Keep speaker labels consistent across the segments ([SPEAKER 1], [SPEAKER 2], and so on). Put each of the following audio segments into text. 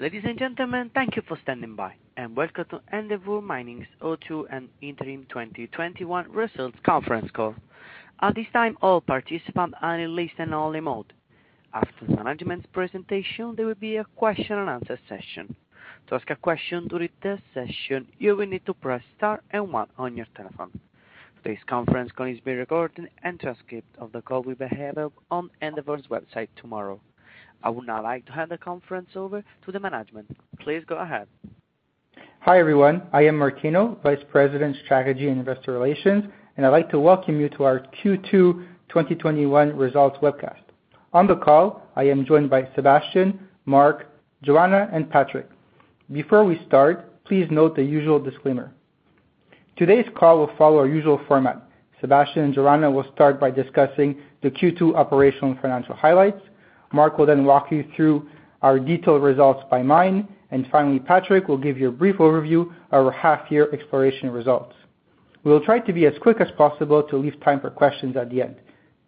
[SPEAKER 1] Ladies and gentlemen, thank you for standing by, and welcome to Endeavour Mining's Q2 and Interim 2021 Results Conference Call. At this time, all participants are in listen-only mode. After the management's presentation, there will be a question-and-answer session. To ask a question during this session you will need to press star and one on your telephone. Today's conference call is being recorded, and a transcript of the call will be available on Endeavour's website tomorrow. I would now like to hand the conference over to the management. Please go ahead.
[SPEAKER 2] Hi, everyone. I am Martino, vice president, strategy and investor relations. I'd like to welcome you to our Q2 2021 results webcast. On the call, I am joined by Sébastien, Mark, Joanna, and Patrick. Before we start, please note the usual disclaimer. Today's call will follow our usual format. Sébastien and Joanna will start by discussing the Q2 operational and financial highlights. Mark will then walk you through our detailed results by mine. Finally, Patrick will give you a brief overview of our half year exploration results. We will try to be as quick as possible to leave time for questions at the end.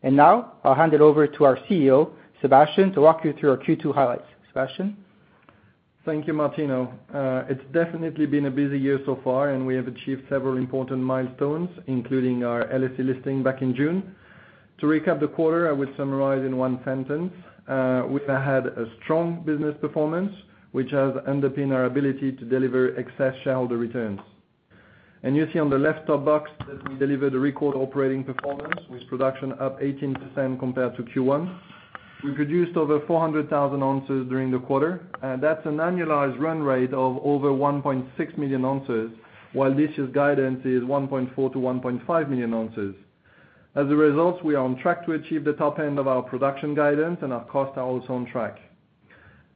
[SPEAKER 2] Now, I'll hand it over to our CEO, Sébastien, to walk you through our Q2 highlights. Sébastien?
[SPEAKER 3] Thank you, Martino. It's definitely been a busy year so far, and we have achieved several important milestones, including our LSE listing back in June. To recap the quarter, I will summarize in one sentence. We have had a strong business performance, which has underpinned our ability to deliver excess shareholder returns. You see on the left top box that we delivered a record operating performance, with production up 18% compared to Q1. We produced over 400,000 oz during the quarter. That's an annualized run rate of over 1.6 million oz, while this year's guidance is 1.4 million oz-1.5 million oz. As a result, we are on track to achieve the top end of our production guidance, and our costs are also on track.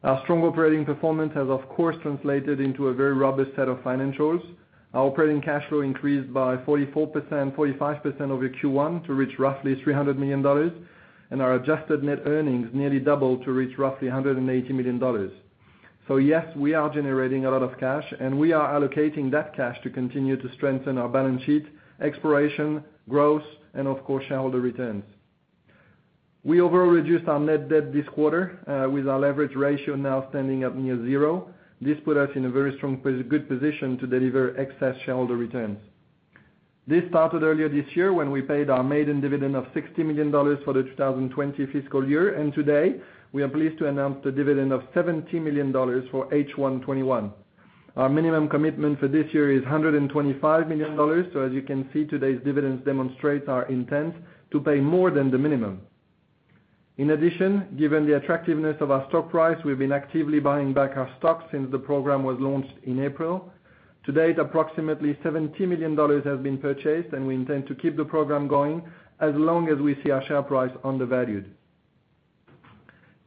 [SPEAKER 3] Our strong operating performance has of course translated into a very robust set of financials. Our operating cash flow increased by 45% over Q1 to reach roughly $300 million. Our adjusted net earnings nearly doubled to reach roughly $180 million. Yes, we are generating a lot of cash, and we are allocating that cash to continue to strengthen our balance sheet, exploration, growth, and of course, shareholder returns. We overall reduced our net debt this quarter, with our leverage ratio now standing at near zero. This put us in a very good position to deliver excess shareholder returns. This started earlier this year when we paid our maiden dividend of $60 million for the 2020 fiscal year. Today, we are pleased to announce the dividend of $70 million for H1 2021. Our minimum commitment for this year is $125 million. As you can see, today's dividends demonstrate our intent to pay more than the minimum. In addition, given the attractiveness of our stock price, we've been actively buying back our stock since the program was launched in April. To date, approximately $70 million has been purchased, and we intend to keep the program going as long as we see our share price undervalued.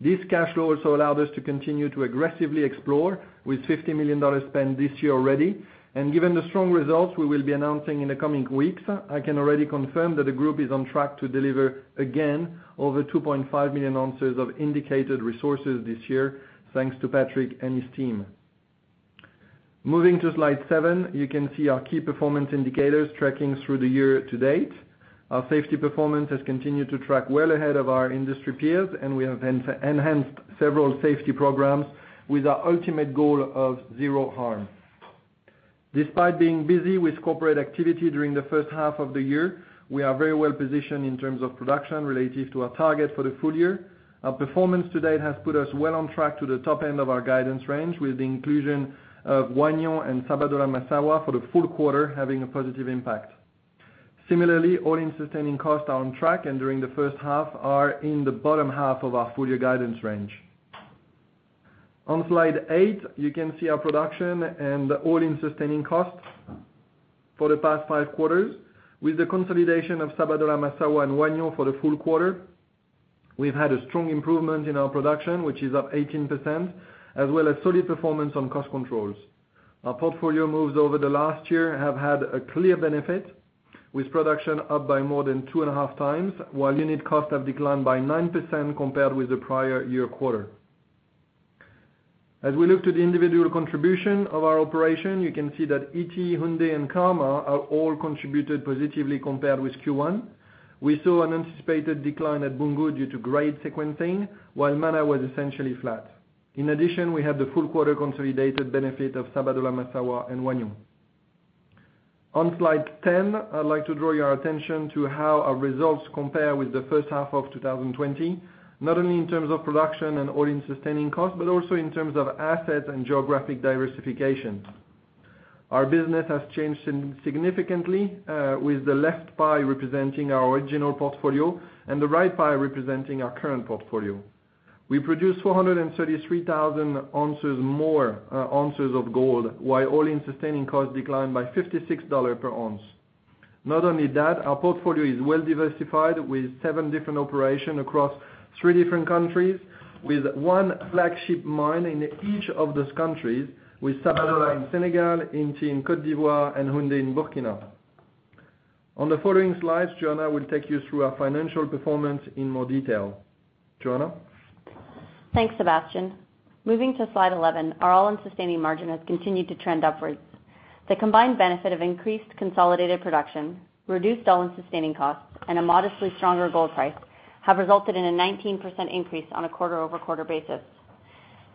[SPEAKER 3] This cash flow also allowed us to continue to aggressively explore with $50 million spent this year already. Given the strong results we will be announcing in the coming weeks, I can already confirm that the group is on track to deliver again over 2.5 million oz of indicated resources this year, thanks to Patrick and his team. Moving to slide seven, you can see our key performance indicators tracking through the year to date. Our safety performance has continued to track well ahead of our industry peers, and we have enhanced several safety programs with our ultimate goal of zero harm. Despite being busy with corporate activity during the first half of the year, we are very well positioned in terms of production relative to our target for the full year. Our performance to date has put us well on track to the top end of our guidance range, with the inclusion of Wahgnion and Sabodala-Massawa for the full quarter having a positive impact. Similarly, All-in Sustaining Cost are on track, and during the first half are in the bottom half of our full year guidance range. On slide eight, you can see our production and All-in Sustaining Cost for the past five quarters. With the consolidation of Sabodala-Massawa and Wahgnion for the full quarter, we've had a strong improvement in our production, which is up 18%, as well as solid performance on cost controls. Our portfolio moves over the last year have had a clear benefit, with production up by more than two and a half times while unit costs have declined by 9% compared with the prior year quarter. As we look to the individual contribution of our operation, you can see that Ity, Houndé, and Karma are all contributed positively compared with Q1. We saw an anticipated decline at Boungou due to grade sequencing, while Mana was essentially flat. In addition, we had the full quarter consolidated benefit of Sabodala-Massawa and Wahgnion. On slide 10, I'd like to draw your attention to how our results compare with the first half of 2020, not only in terms of production and All-in Sustaining Cost, but also in terms of assets and geographic diversification. Our business has changed significantly, with the left pie representing our original portfolio and the right pie representing our current portfolio. We produced 433,000 more ounces of gold while All-in Sustaining Cost declined by $56/oz. Not only that, our portfolio is well diversified with seven different operations across three different countries with one flagship mine in each of those countries, with Sabodala in Senegal, Ity in Côte d'Ivoire, and Houndé in Burkina. On the following slides, Joanna will take you through our financial performance in more detail. Joanna?
[SPEAKER 4] Thanks, Sébastien. Moving to slide 11, our all-in sustaining margin has continued to trend upwards. The combined benefit of increased consolidated production, reduced all-in sustaining costs, and a modestly stronger gold price have resulted in a 19% increase on a quarter-over-quarter basis.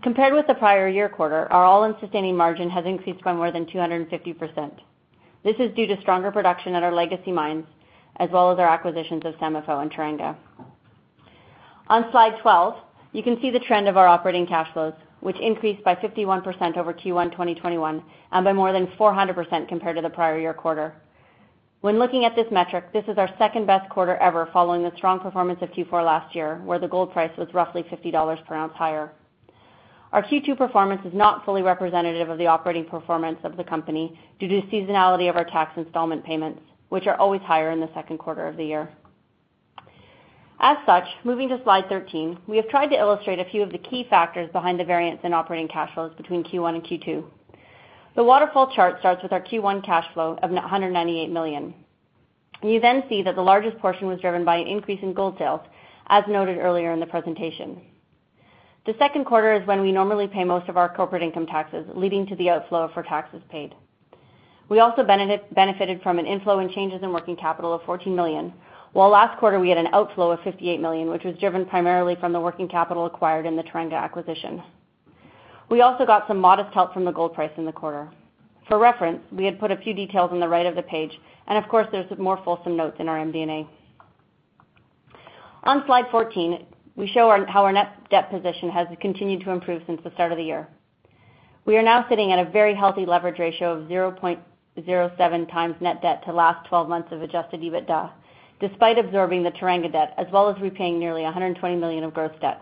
[SPEAKER 4] Compared with the prior year quarter, our all-in sustaining margin has increased by more than 250%. This is due to stronger production at our legacy mines, as well as our acquisitions of SEMAFO and Teranga. On slide 12, you can see the trend of our operating cash flows, which increased by 51% over Q1 2021, and by more than 400% compared to the prior year quarter. When looking at this metric, this is our second-best quarter ever, following the strong performance of Q4 last year, where the gold price was roughly $50/oz higher. Our Q2 performance is not fully representative of the operating performance of the company due to seasonality of our tax installment payments, which are always higher in the second quarter of the year. As such, moving to slide 13, we have tried to illustrate a few of the key factors behind the variance in operating cash flows between Q1 and Q2. The waterfall chart starts with our Q1 cash flow of $198 million. You then see that the largest portion was driven by an increase in gold sales, as noted earlier in the presentation. The second quarter is when we normally pay most of our corporate income taxes, leading to the outflow for taxes paid. We also benefited from an inflow in changes in working capital of $14 million, while last quarter, we had an outflow of $58 million, which was driven primarily from the working capital acquired in the Teranga acquisition. We also got some modest help from the gold price in the quarter. For reference, we had put a few details on the right of the page, and of course, there is more fulsome notes in our MD&A. On slide 14, we show how our net debt position has continued to improve since the start of the year. We are now sitting at a very healthy leverage ratio of 0.07x net debt to last 12 months of Adjusted EBITDA, despite absorbing the Teranga debt, as well as repaying nearly $120 million of gross debt.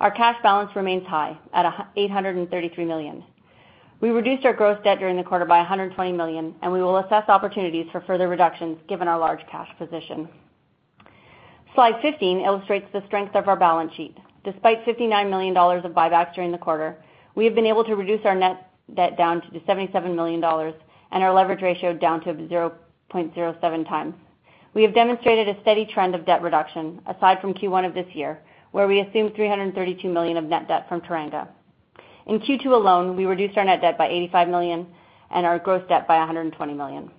[SPEAKER 4] Our cash balance remains high at $833 million. We reduced our gross debt during the quarter by $120 million, and we will assess opportunities for further reductions given our large cash position. Slide 15 illustrates the strength of our balance sheet. Despite $59 million of buybacks during the quarter, we have been able to reduce our net debt down to $77 million and our leverage ratio down to 0.07x. We have demonstrated a steady trend of debt reduction aside from Q1 of this year, where we assumed $332 million of net debt from Teranga. In Q2 alone, we reduced our net debt by $85 million and our gross debt by $120 million.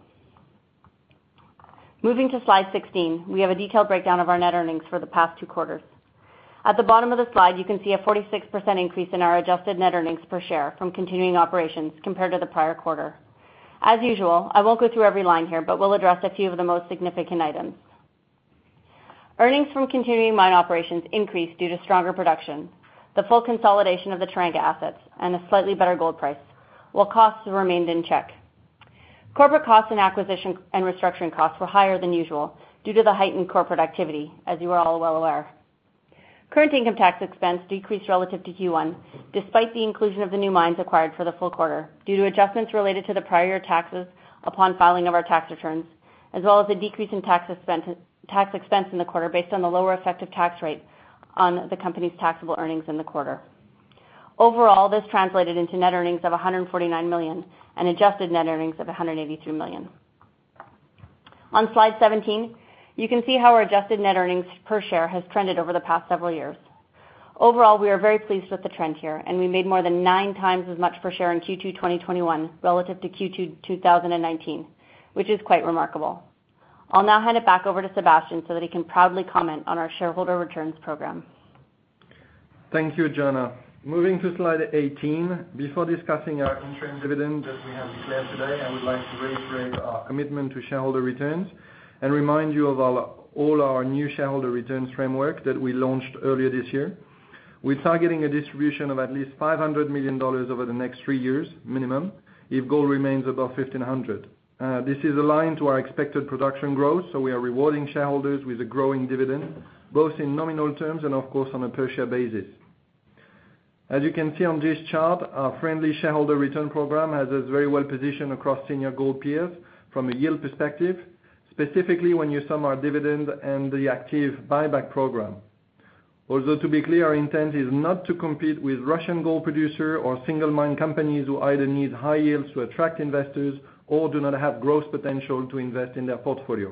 [SPEAKER 4] Moving to slide 16, we have a detailed breakdown of our net earnings for the past two quarters. At the bottom of the slide, you can see a 46% increase in our Adjusted Net Earnings Per Share from continuing operations compared to the prior quarter. As usual, I won't go through every line here, but we'll address a few of the most significant items. Earnings from continuing mine operations increased due to stronger production, the full consolidation of the Teranga assets, and a slightly better gold price, while costs remained in check. Corporate costs and acquisition and restructuring costs were higher than usual due to the heightened corporate activity, as you are all well aware. Current income tax expense decreased relative to Q1, despite the inclusion of the new mines acquired for the full quarter, due to adjustments related to the prior taxes upon filing of our tax returns, as well as a decrease in tax expense in the quarter based on the lower effective tax rate on the company's taxable earnings in the quarter. Overall, this translated into net earnings of $149 million and adjusted net earnings of $183 million. On slide 17, you can see how our Adjusted Net Earnings Per Share has trended over the past several years. Overall, we are very pleased with the trend here, and we made more than nine times as much per share in Q2 2021 relative to Q2 2019, which is quite remarkable. I'll now hand it back over to Sébastien so that he can proudly comment on our shareholder returns program.
[SPEAKER 3] Thank you, Joanna. Moving to slide 18. Before discussing our interim dividend that we have declared today, I would like to reiterate our commitment to shareholder returns and remind you of all our new shareholder returns framework that we launched earlier this year. We're targeting a distribution of at least $500 million over the next three years minimum, if gold remains above $1,500. This is aligned to our expected production growth, so we are rewarding shareholders with a growing dividend, both in nominal terms and of course, on a per share basis. As you can see on this chart, our friendly shareholder return program has us very well positioned across senior gold peers from a yield perspective, specifically when you sum our dividend and the active buyback program. To be clear, our intent is not to compete with Russian gold producer or single mine companies who either need high yields to attract investors or do not have growth potential to invest in their portfolio.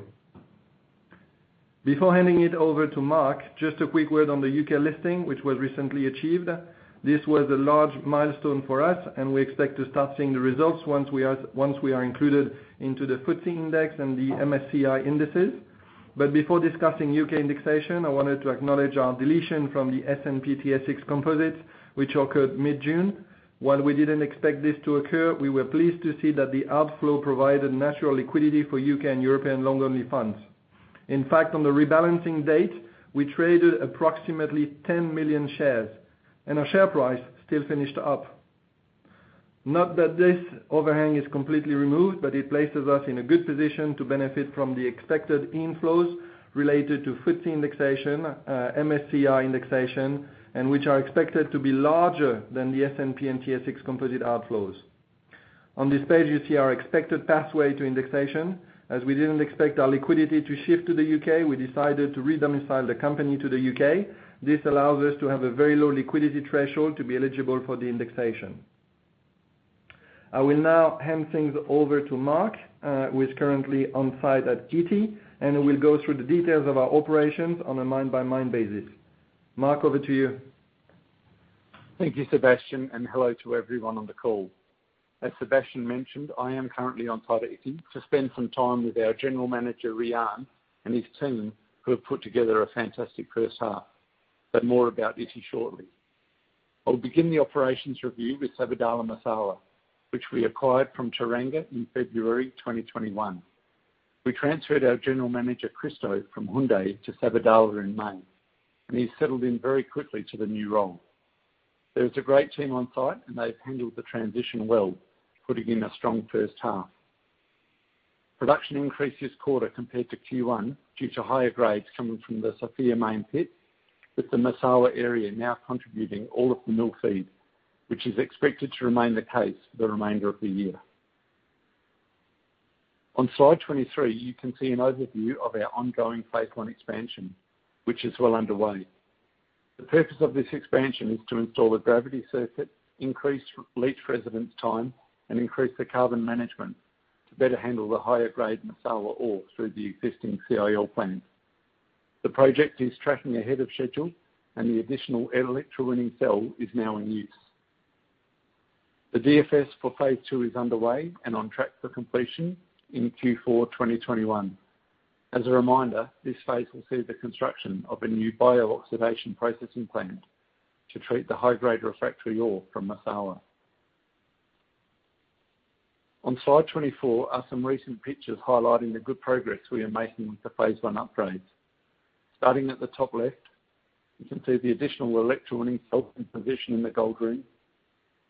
[SPEAKER 3] Before handing it over to Mark, just a quick word on the U.K. listing, which was recently achieved. This was a large milestone for us, we expect to start seeing the results once we are included into the FTSE index and the MSCI indices. Before discussing U.K. indexation, I wanted to acknowledge our deletion from the S&P/TSX Composite, which occurred mid-June. While we didn't expect this to occur, we were pleased to see that the outflow provided natural liquidity for U.K. and European long-only funds. In fact, on the rebalancing date, we traded approximately 10 million shares, our share price still finished up. Not that this overhang is completely removed, but it places us in a good position to benefit from the expected inflows related to FTSE indexation, MSCI indexation, which are expected to be larger than the S&P/TSX Composite outflows. On this page, you see our expected pathway to indexation. As we didn't expect our liquidity to shift to the U.K., we decided to re-domicile the company to the U.K. This allows us to have a very low liquidity threshold to be eligible for the indexation. I will now hand things over to Mark, who is currently on-site at Ity, and he will go through the details of our operations on a mine-by-mine basis. Mark, over to you.
[SPEAKER 5] Thank you, Sébastien, and hello to everyone on the call. As Sébastien mentioned, I am currently on Teranga to spend some time with our general manager, Rian, and his team, who have put together a fantastic first half. More about this shortly. I'll begin the operations review with Sabodala-Massawa, which we acquired from Teranga in February 2021. We transferred our general manager, Christo, from Houndé to Sabodala in May, and he settled in very quickly to the new role. There is a great team on site, and they've handled the transition well, putting in a strong first half. Production increased this quarter compared to Q1 due to higher grades coming from the Sofia main pit, with the Massawa area now contributing all of the mill feed, which is expected to remain the case for the remainder of the year. On slide 23, you can see an overview of our ongoing phase I expansion, which is well underway. The purpose of this expansion is to install a gravity circuit, increase leach residence time, and increase the carbon management to better handle the higher-grade Massawa ore through the existing CIL plant. The project is tracking ahead of schedule, and the additional electrowinning cell is now in use. The DFS for phase II is underway and on track for completion in Q4 2021. As a reminder, this phase will see the construction of a new bio-oxidation processing plant to treat the high-grade refractory ore from Massawa. On slide 24 are some recent pictures highlighting the good progress we are making with the phase I upgrades. Starting at the top left, you can see the additional electrowinning cell in position in the gold room.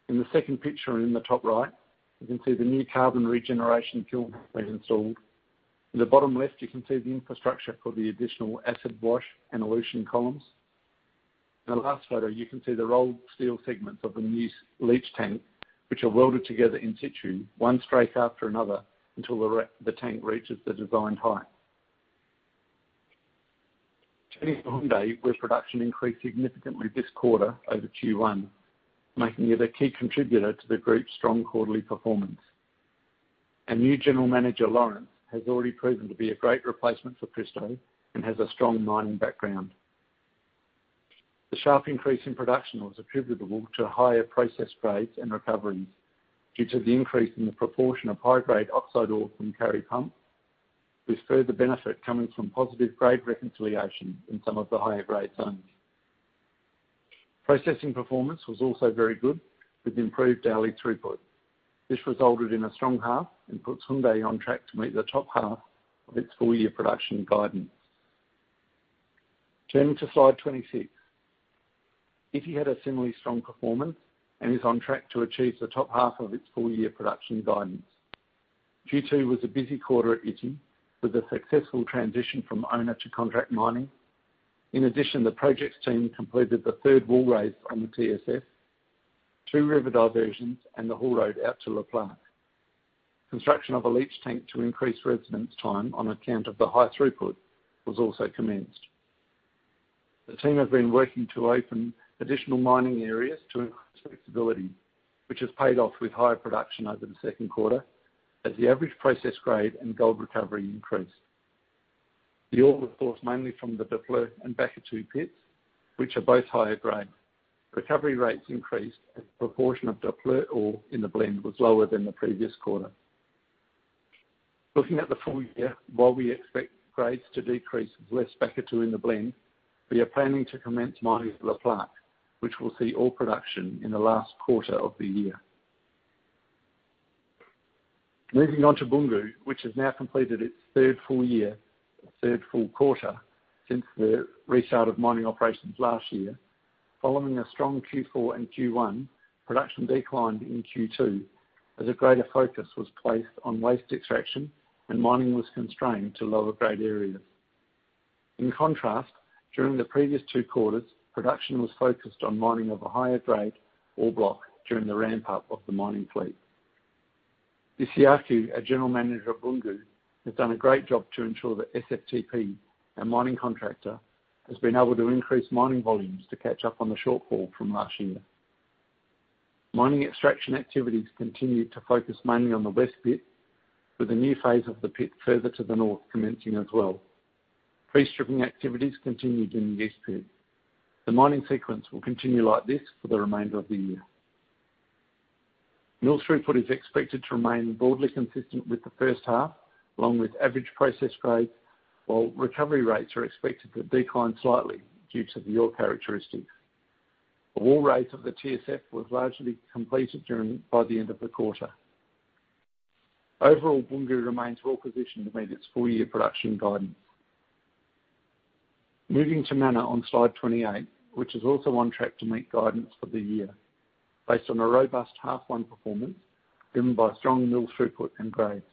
[SPEAKER 5] In the second picture in the top right, you can see the new carbon regeneration kiln installed. In the bottom left, you can see the infrastructure for the additional acid wash and elution columns. In the last photo, you can see the rolled steel segments of the new leach tank, which are welded together in situ, one strafe after another until the tank reaches the designed height. Turning to Houndé, where production increased significantly this quarter over Q1, making it a key contributor to the group's strong quarterly performance. Our new general manager, Lawrence, has already proven to be a great replacement for Christo and has a strong mining background. The sharp increase in production was attributable to higher process grades and recoveries due to the increase in the proportion of high-grade oxide ore from Kari Pump, with further benefit coming from positive grade reconciliation in some of the higher-grade zones. Processing performance was also very good, with improved daily throughput. This resulted in a strong half and puts Houndé on track to meet the top half of its full-year production guidance. Turning to slide 26. Ity had a similarly strong performance and is on track to achieve the top half of its full-year production guidance. Q2 was a busy quarter at Ity, with a successful transition from owner to contract mining. In addition, the projects team completed the third wall raise on the TSF, two river diversions, and the haul road out to Le Plaque. Construction of a leach tank to increase residence time on account of the high throughput was also commenced. The team have been working to open additional mining areas to increase flexibility, which has paid off with higher production over the second quarter as the average process grade and gold recovery increased. The ore was sourced mainly from the Le Plaque and Bakatouo pits, which are both higher grade. Recovery rates increased as the proportion of Le Plaque ore in the blend was lower than the previous quarter. Looking at the full year, while we expect grades to decrease with less Bakatouo in the blend, we are planning to commence mining Le Plaque, which will see ore production in the last quarter of the year. Moving on to Boungou, which has now completed its third full quarter since the restart of mining operations last year. Following a strong Q4 and Q1, production declined in Q2, as a greater focus was placed on waste extraction and mining was constrained to lower-grade areas. In contrast, during the previous two quarters, production was focused on mining of a higher-grade ore block during the ramp-up of the mining fleet. Bisiaku, our general manager at Boungou, has done a great job to ensure that SFTP, our mining contractor, has been able to increase mining volumes to catch up on the shortfall from last year. Mining extraction activities continued to focus mainly on the west pit, with a new phase of the pit further to the north commencing as well. Pre-stripping activities continued in the east pit. The mining sequence will continue like this for the remainder of the year. Mill throughput is expected to remain broadly consistent with the first half, along with average process grade, while recovery rates are expected to decline slightly due to the ore characteristics. The wall raise of the TSF was largely completed by the end of the quarter. Overall, Boungou remains well-positioned to meet its full-year production guidance. Moving to Mana on slide 28, which is also on track to meet guidance for the year, based on a robust half-one performance driven by strong mill throughput and grades.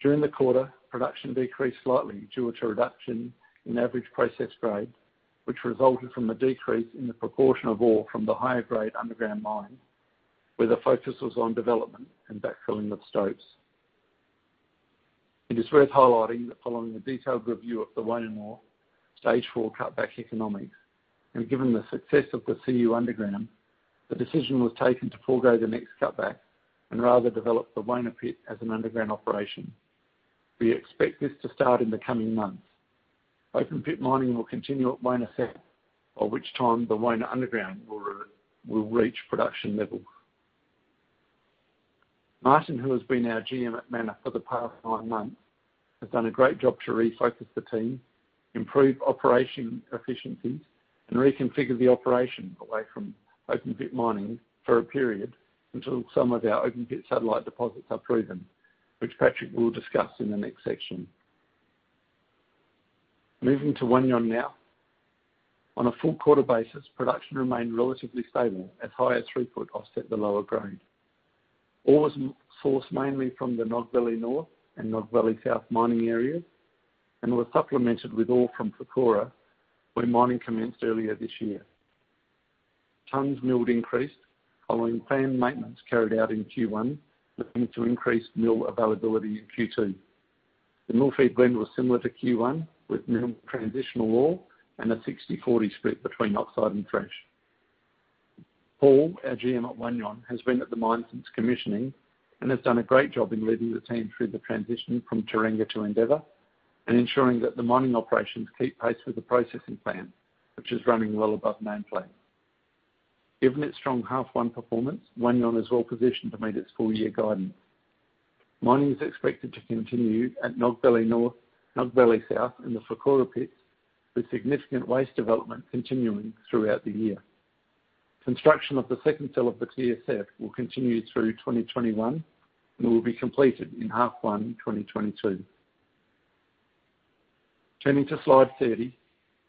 [SPEAKER 5] During the quarter, production decreased slightly due to a reduction in average processed grade, which resulted from a decrease in the proportion of ore from the higher-grade underground mine, where the focus was on development and backfilling of stopes. It is worth highlighting that following a detailed review of the Wona ore, stage four cutback economics, and given the success of the Siou underground, the decision was taken to forgo the next cutback and rather develop the Wona pit as an underground operation. We expect this to start in the coming months. Open pit mining will continue at Wona South, by which time the Wona underground will reach production levels. Martin, who has been our GM at Mana for the past nine months, has done a great job to refocus the team, improve operation efficiency, and reconfigure the operation away from open pit mining for a period until some of our open pit satellite deposits are proven, which Patrick will discuss in the next section. Moving to Wahgnion now. On a full quarter basis, production remained relatively stable as higher throughput offset the lower grade. Ore was sourced mainly from the Nogbele North and Nogbele South mining areas, and was supplemented with ore from Fourkoura, where mining commenced earlier this year. Tonnes milled increased following planned maintenance carried out in Q1, looking to increase mill availability in Q2. The mill feed blend was similar to Q1, with transitional ore and a 60/40 split between oxide and fresh. Paul, our GM at Wahgnion, has been at the mine since commissioning and has done a great job in leading the team through the transition from Teranga to Endeavour, and ensuring that the mining operations keep pace with the processing plant, which is running well above nameplate. Given its strong half one performance, Wahgnion is well positioned to meet its full-year guidance. Mining is expected to continue at Nogbele North, Nogbele South, and the Fourkoura pits, with significant waste development continuing throughout the year. Construction of the second cell of the TSF will continue through 2021, and will be completed in half one, 2022. Turning to Slide 30.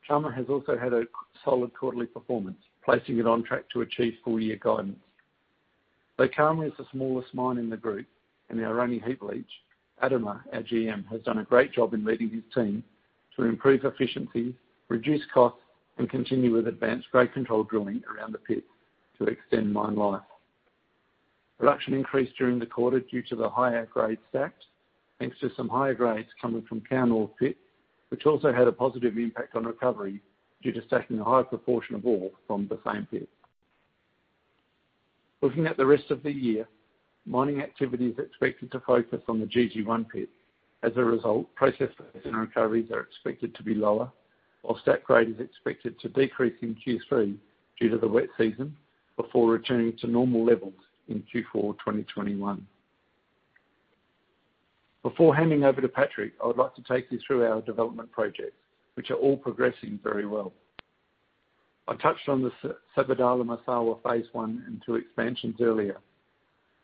[SPEAKER 5] Karma has also had a solid quarterly performance, placing it on track to achieve full-year guidance. Though Karma is the smallest mine in the group and our only heap leach, Adama, our GM, has done a great job in leading his team to improve efficiency, reduce costs, and continue with advanced grade control drilling around the pit to extend mine life. Production increased during the quarter due to the higher-grade stacks, thanks to some higher grades coming from Kao North pit, which also had a positive impact on recovery due to stacking a higher proportion of ore from the same pit. Looking at the rest of the year, mining activity is expected to focus on the GG1 pit. As a result, processed ore and recoveries are expected to be lower, whilst that grade is expected to decrease in Q3 due to the wet season before returning to normal levels in Q4 2021. Before handing over to Patrick, I would like to take you through our development projects, which are all progressing very well. I touched on the Sabodala-Massawa phase I and II expansions earlier.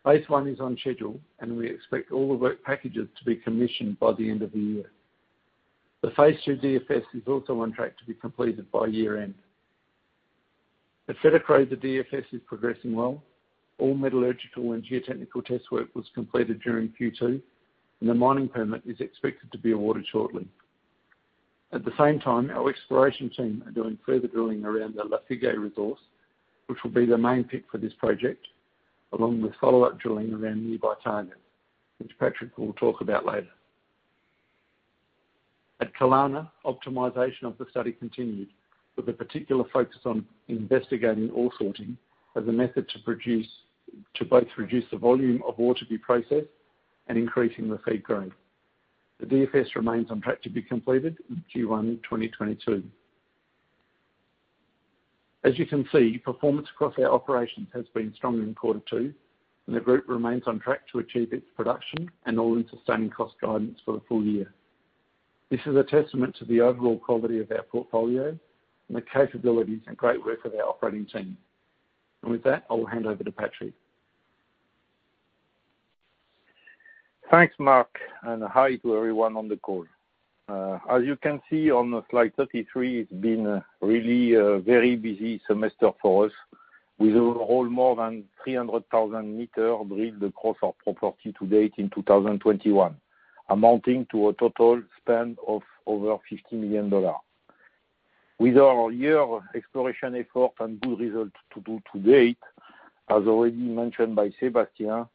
[SPEAKER 5] Phase I is on schedule, and we expect all the work packages to be commissioned by the end of the year. The phase II DFS is also on track to be completed by year-end. At Fetekro, the DFS is progressing well. All metallurgical and geotechnical test work was completed during Q2, and the mining permit is expected to be awarded shortly. At the same time, our exploration team are doing further drilling around the Lafigue resource, which will be the main pit for this project, along with follow-up drilling around nearby targets, which Patrick will talk about later. At Kalana, optimization of the study continued, with a particular focus on investigating ore sorting as a method to both reduce the volume of ore to be processed and increasing the feed grade. The DFS remains on track to be completed in Q1 2022. As you can see, performance across our operations has been strong in Quarter two. The group remains on track to achieve its production and All-in Sustaining Cost guidance for the full year. This is a testament to the overall quality of our portfolio and the capabilities and great work of our operating team. With that, I will hand over to Patrick.
[SPEAKER 6] Thanks, Mark. Hi to everyone on the call. As you can see on Slide 33, it's been really a very busy semester for us. We do all more than 300,000 m drilled across our property to date in 2021, amounting to a total spend of over $50 million. With our year exploration effort and good result to do to date, as already mentioned by Sébastien,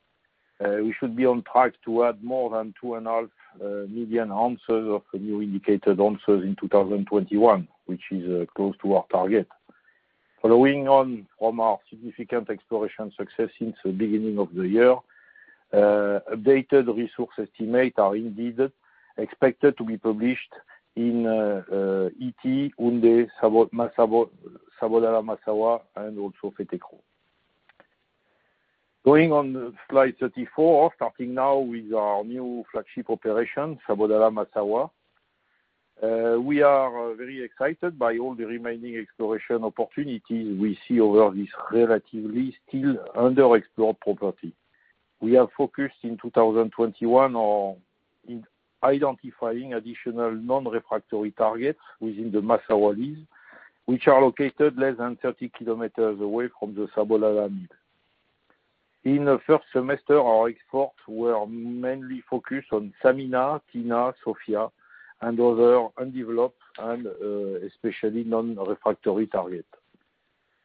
[SPEAKER 6] we should be on track to add more than 2.5 million oz of new indicated ounces in 2021, which is close to our target. Following on from our significant exploration success since the beginning of the year, updated resource estimates are indeed expected to be published in Ity, Houndé, Massawa, Sabodala-Massawa, and also Fetekro. Going on Slide 34, starting now with our new flagship operation, Sabodala-Massawa. We are very excited by all the remaining exploration opportunities we see over this relatively still underexplored property. We are focused in 2021 on identifying additional non-refractory targets within the Massawa lease, which are located less than 30 km away from the Sabodala mill. In the first semester, our efforts were mainly focused on Samina, Tina, Sofia, and other undeveloped and especially non-refractory targets.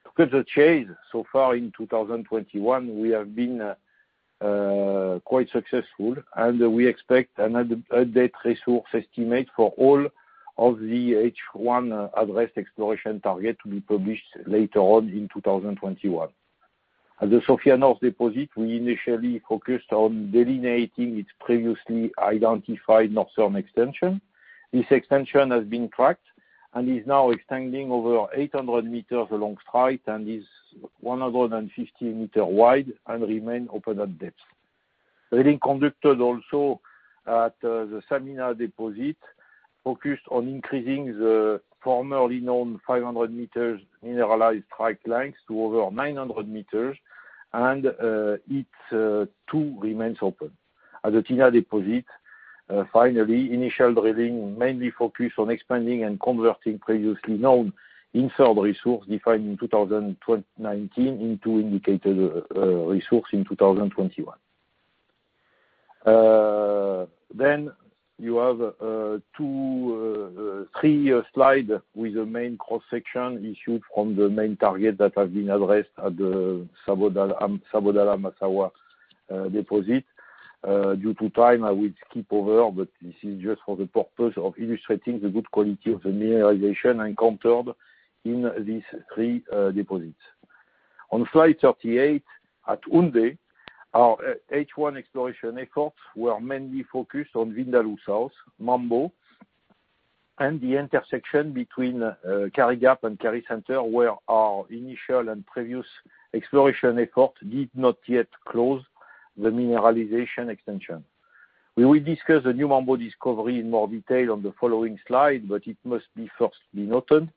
[SPEAKER 6] Because of change so far in 2021, we have been quite successful, and we expect an update resource estimate for all of the H1 address exploration target to be published later on in 2021. At the Sofia North deposit, we initially focused on delineating its previously identified northern extension. This extension has been tracked and is now extending over 800 m along strike and is 150 m wide and remain open at depth. Drilling conducted also at the Samina deposit focused on increasing the formerly known 500 m mineralized strike lengths to over 900 m. It too remains open. At the Tina deposit, finally, initial drilling mainly focused on expanding and converting previously known inferred resource defined in 2019 into indicated resource in 2021. You have three slides with the main cross-section issued from the main target that have been addressed at the Sabodala-Massawa deposit. Due to time, I will skip over, but this is just for the purpose of illustrating the good quality of the mineralization encountered in these three deposits. On slide 38, at Houndé, our H1 exploration efforts were mainly focused on Vindaloo South, Mambo, and the intersection between Kari Gap and Kari Center, where our initial and previous exploration effort did not yet close the mineralization extension. We will discuss the new Mambo discovery in more detail on the following slide. It must be first be noted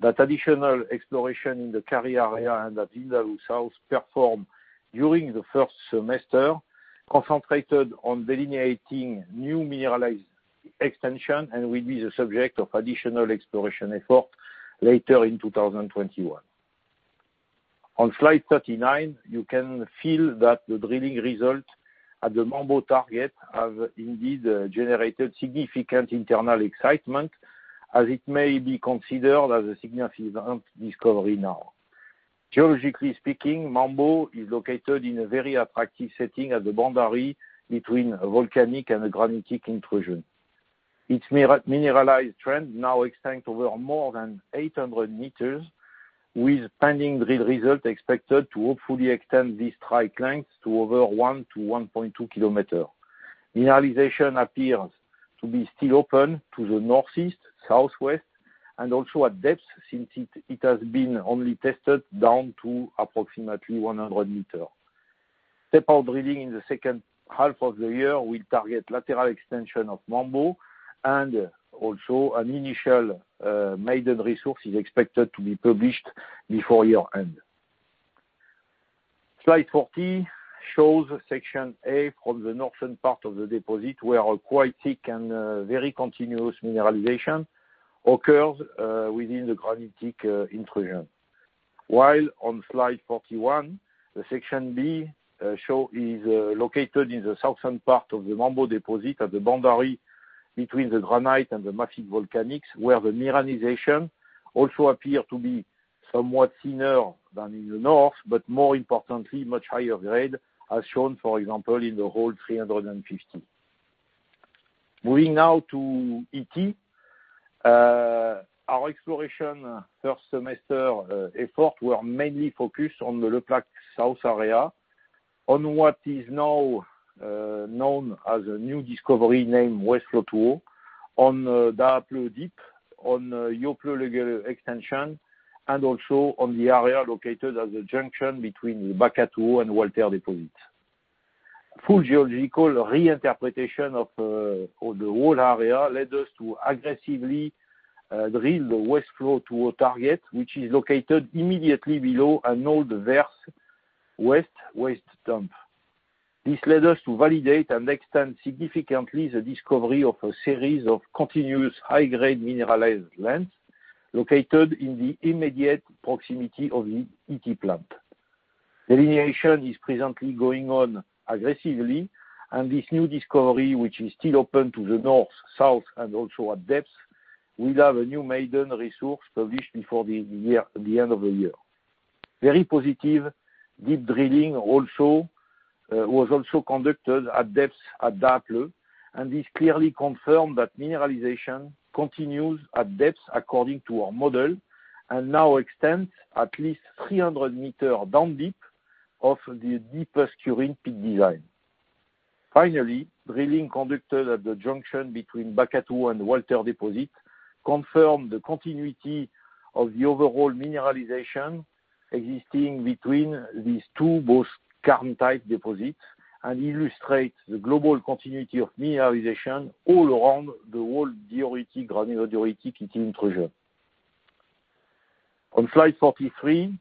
[SPEAKER 6] that additional exploration in the Kari area and at Vindaloo South performed during the first semester concentrated on delineating new mineralized extension and will be the subject of additional exploration effort later in 2021. On slide 39, you can feel that the drilling result at the Mambo target have indeed generated significant internal excitement, as it may be considered as a significant discovery now. Geologically speaking, Mambo is located in a very attractive setting at the boundary between a volcanic and a granitic intrusion. Its mineralized trend now extends over more than 800 m, with pending drill result expected to hopefully extend this strike length to over 1 km-1.2 km. Mineralization appears to be still open to the northeast, southwest, and also at depth, since it has been only tested down to approximately 100 m. Step-out drilling in the second half of the year will target lateral extension of Mambo and also an initial maiden resource is expected to be published before year-end. Slide 40 shows section A from the northern part of the deposit where a quite thick and very continuous mineralization occurs within the granitic intrusion. While on Slide 41, the section B is located in the southern part of the Mambo deposit at the boundary between the granite and the mafic volcanics, where the mineralization also appear to be somewhat thinner than in the north, but more importantly, much higher grade, as shown, for example, in the hole 350. Moving now to Ity. Our exploration first semester efforts were mainly focused on the Le Plaque South area on what is now known as a new discovery named West Flotouo, on Daapleu deep, on Yeopleu extension, and also on the area located at the junction between the Bakatouo and Walter deposit. Full geological reinterpretation of the whole area led us to aggressively drill the West Flotouo target, which is located immediately below an old verse west waste dump. This led us to validate and extend significantly the discovery of a series of continuous high-grade mineralized lengths located in the immediate proximity of the Ity plant. Delineation is presently going on aggressively. This new discovery, which is still open to the north, south, and also at depth, will have a new maiden resource published before the end of the year. Very positive deep drilling was also conducted at depths at Daapleu, and this clearly confirmed that mineralization continues at depth according to our model and now extends at least 300 m down deep of the deepest current pit design. Drilling conducted at the junction between Bakatouo and Walter deposit confirmed the continuity of the overall mineralization existing between these two both current type deposits and illustrates the global continuity of mineralization all around the whole diorite granodiorite intrusion. On slide 43,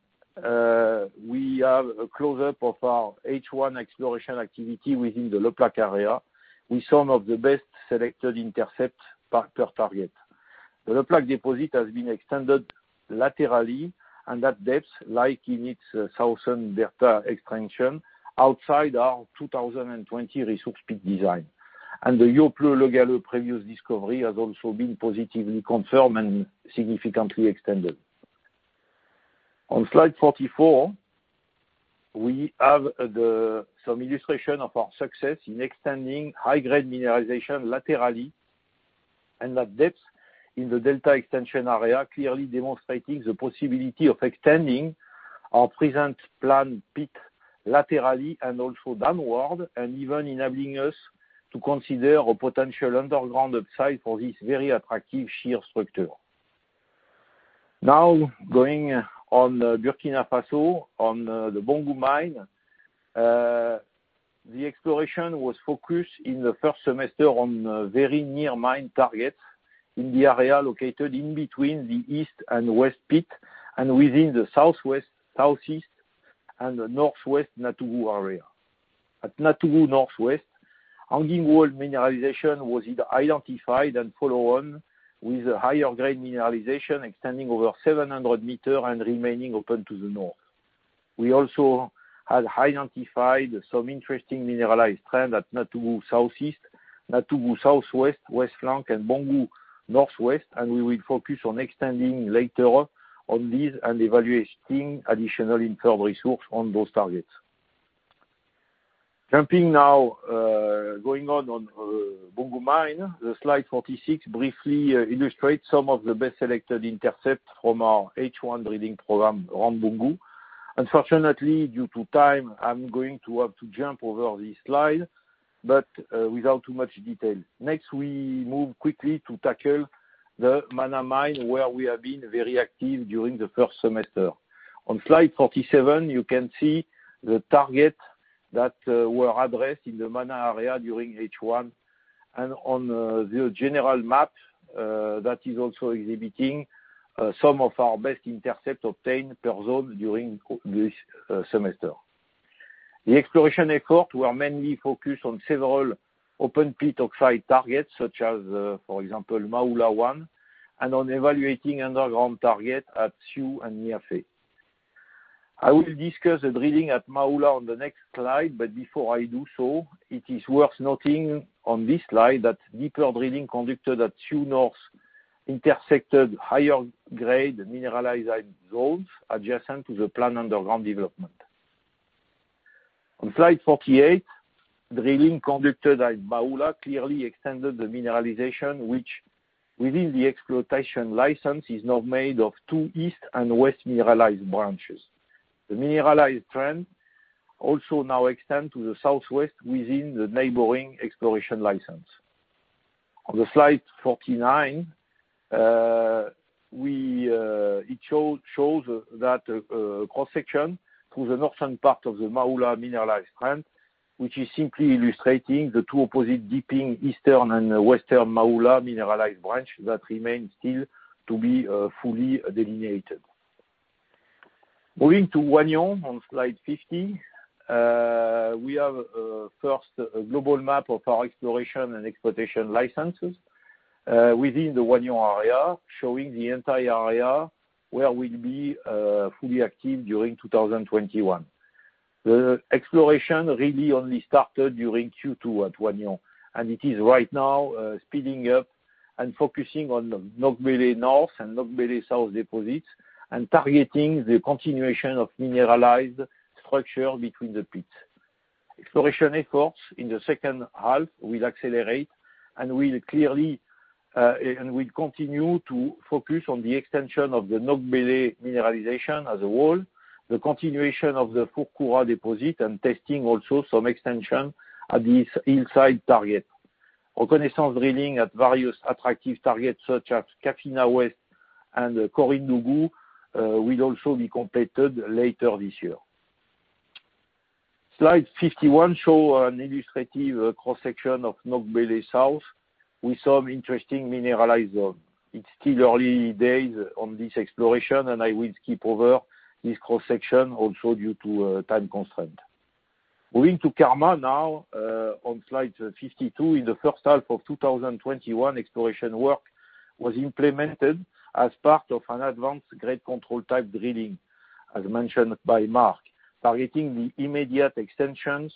[SPEAKER 6] we have a close-up of our H1 exploration activity within the Le Plaque area with some of the best selected intercepts per target. The Le Plaque deposit has been extended laterally and at depth like in its southern delta extension outside our 2020 resource pit design. The Yeopleu/Legale previous discovery has also been positively confirmed and significantly extended. On slide 44, we have some illustration of our success in extending high-grade mineralization laterally and that depth in the delta extension area clearly demonstrating the possibility of extending our present plan pit laterally and also downward, and even enabling us to consider a potential underground upside for this very attractive shear structure. Now going on Burkina Faso on the Boungou mine. The exploration was focused in the first semester on very near mine targets in the area located in between the east and west pit and within the southwest, southeast, and the northwest Natougou area. At Natougou northwest, hanging wall mineralization was either identified and follow on with a higher-grade mineralization extending over 700 m and remaining open to the north. We also had identified some interesting mineralized trend at Natougou Southeast, Natougou Southwest, West flank, and Boungou Northwest. We will focus on extending later on these and evaluating additional inferred resource on those targets. Jumping now, going on Boungou mine, the slide 46 briefly illustrates some of the best selected intercepts from our H1 drilling program around Boungou. Unfortunately, due to time, I'm going to have to jump over this slide, but without too much detail. Next, we move quickly to tackle the Mana mine, where we have been very active during the first semester. On slide 47, you can see the target that were addressed in the Mana area during H1 and on the general map, that is also exhibiting some of our best intercept obtained per zone during this semester. The exploration efforts were mainly focused on several open pit oxide targets such as, for example, Maoula 1, and on evaluating underground target at Siou and Nyafé. I will discuss the drilling at Maoula on the next slide. Before I do so, it is worth noting on this slide that deeper drilling conducted at Siou North intersected higher-grade mineralized zones adjacent to the planned underground development. On slide 48, drilling conducted at Maoula clearly extended the mineralization which within the exploitation license is now made of two east and west mineralized branches. The mineralized trend also now extend to the southwest within the neighboring exploration license. On the slide 49, it shows that cross-section to the northern part of the Maoula mineralized trend, which is simply illustrating the two opposite dipping eastern and western Maoula mineralized branch that remains still to be fully delineated. Moving to Wahgnion on slide 50, we have first a global map of our exploration and exploitation licenses within the Wahgnion area, showing the entire area where we'll be fully active during 2021. The exploration really only started during Q2 at Wahgnion, it is right now speeding up and focusing on the Nogbele North and Nogbele South deposits and targeting the continuation of mineralized structure between the pits. Exploration efforts in the second half will accelerate and will continue to focus on the extension of the Nogbele mineralization as a whole, the continuation of the Fourkoura deposit, and testing also some extension at this inside target. Reconnaissance drilling at various attractive targets such as Kafina West and Korinougou will also be completed later this year. Slide 51 show an illustrative cross-section of Nogbele South with some interesting mineralized zone. It's still early days on this exploration, and I will skip over this cross-section also due to time constraint. Moving to Karma now, on slide 52. In the first half of 2021, exploration work was implemented as part of an advanced grade control type drilling, as mentioned by Mark, targeting the immediate extensions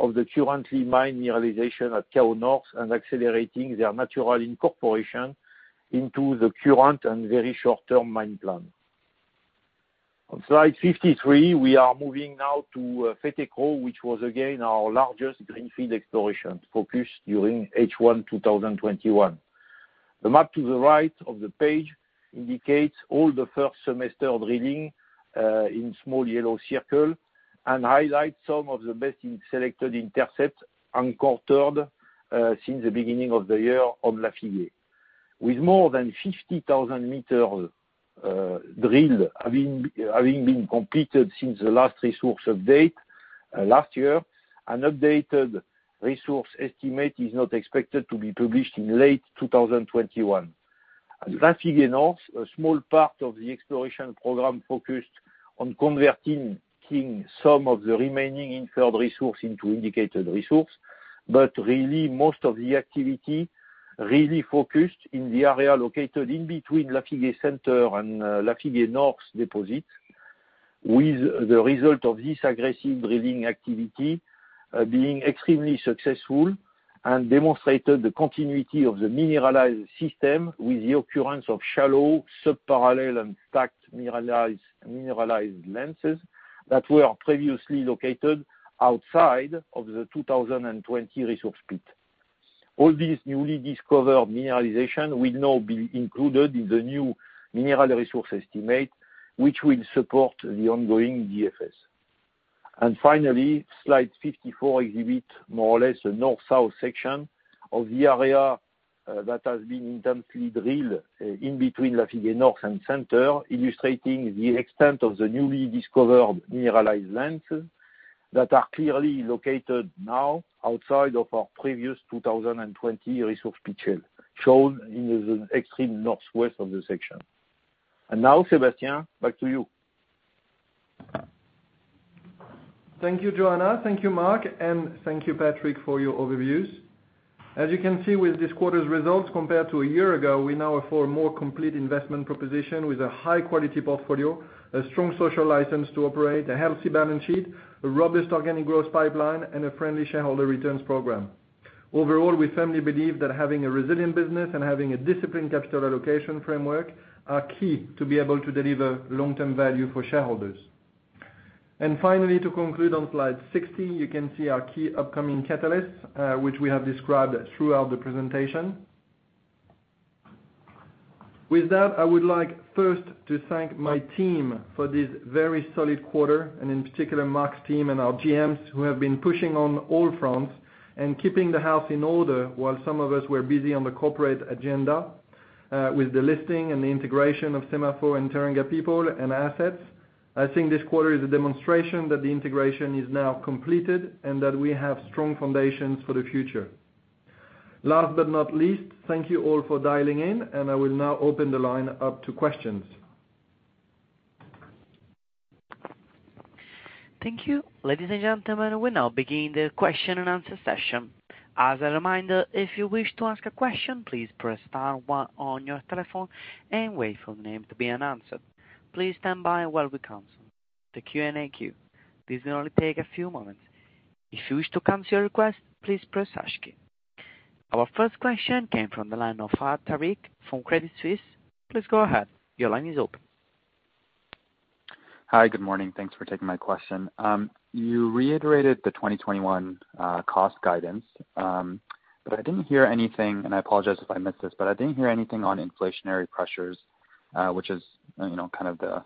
[SPEAKER 6] of the currently mined mineralization at Kao North and accelerating their natural incorporation into the current and very short-term mine plan. On slide 53, we are moving now to Fetekro, which was again our largest greenfield exploration focus during H1 2021. The map to the right of the page indicates all the first semester of drilling, in small yellow circle, and highlights some of the best selected intercepts encountered since the beginning of the year on Lafigue. With more than 50,000 m drilled having been completed since the last resource update last year, an updated resource estimate is now expected to be published in late 2021. At Lafigue North, a small part of the exploration program focused on converting some of the remaining inferred resource into indicated resource, but really most of the activity really focused in the area located in between Lafigue Center and Lafigue North deposit, with the result of this aggressive drilling activity being extremely successful and demonstrated the continuity of the mineralized system with the occurrence of shallow, subparallel, and stacked mineralized lenses that were previously located outside of the 2020 resource pit. All these newly discovered mineralization will now be included in the new mineral resource estimate, which will support the ongoing DFS. Finally, slide 54 exhibits more or less a north-south section of the area that has been intensely drilled in between Lafigue North and Center, illustrating the extent of the newly discovered mineralized lenses that are clearly located now outside of our previous 2020 resource pit shell, shown in the extreme northwest of the section. Now, Sébastien, back to you.
[SPEAKER 3] Thank you, Joanna. Thank you, Mark, and thank you, Patrick, for your overviews. As you can see with this quarter's results compared to a year ago, we now offer a more complete investment proposition with a high-quality portfolio, a strong social license to operate, a healthy balance sheet, a robust organic growth pipeline, and a friendly shareholder returns program. Overall, we firmly believe that having a resilient business and having a disciplined capital allocation framework are key to be able to deliver long-term value for shareholders. Finally, to conclude on slide 60, you can see our key upcoming catalysts, which we have described throughout the presentation. With that, I would like first to thank my team for this very solid quarter, and in particular, Mark's team and our GMs who have been pushing on all fronts and keeping the house in order while some of us were busy on the corporate agenda with the listing and the integration of SEMAFO and Teranga people and assets. I think this quarter is a demonstration that the integration is now completed and that we have strong foundations for the future. Last but not least, thank you all for dialing in, and I will now open the line up to questions.
[SPEAKER 1] Thank you. Ladies and gentlemen, we now begin the question-and-answer session. Our first question came from the line of Fahad Tariq from Credit Suisse. Please go ahead. Your line is open.
[SPEAKER 7] Hi. Good morning. Thanks for taking my question. You reiterated the 2021 cost guidance, but I didn't hear anything, and I apologize if I missed this, but I didn't hear anything on inflationary pressures, which is the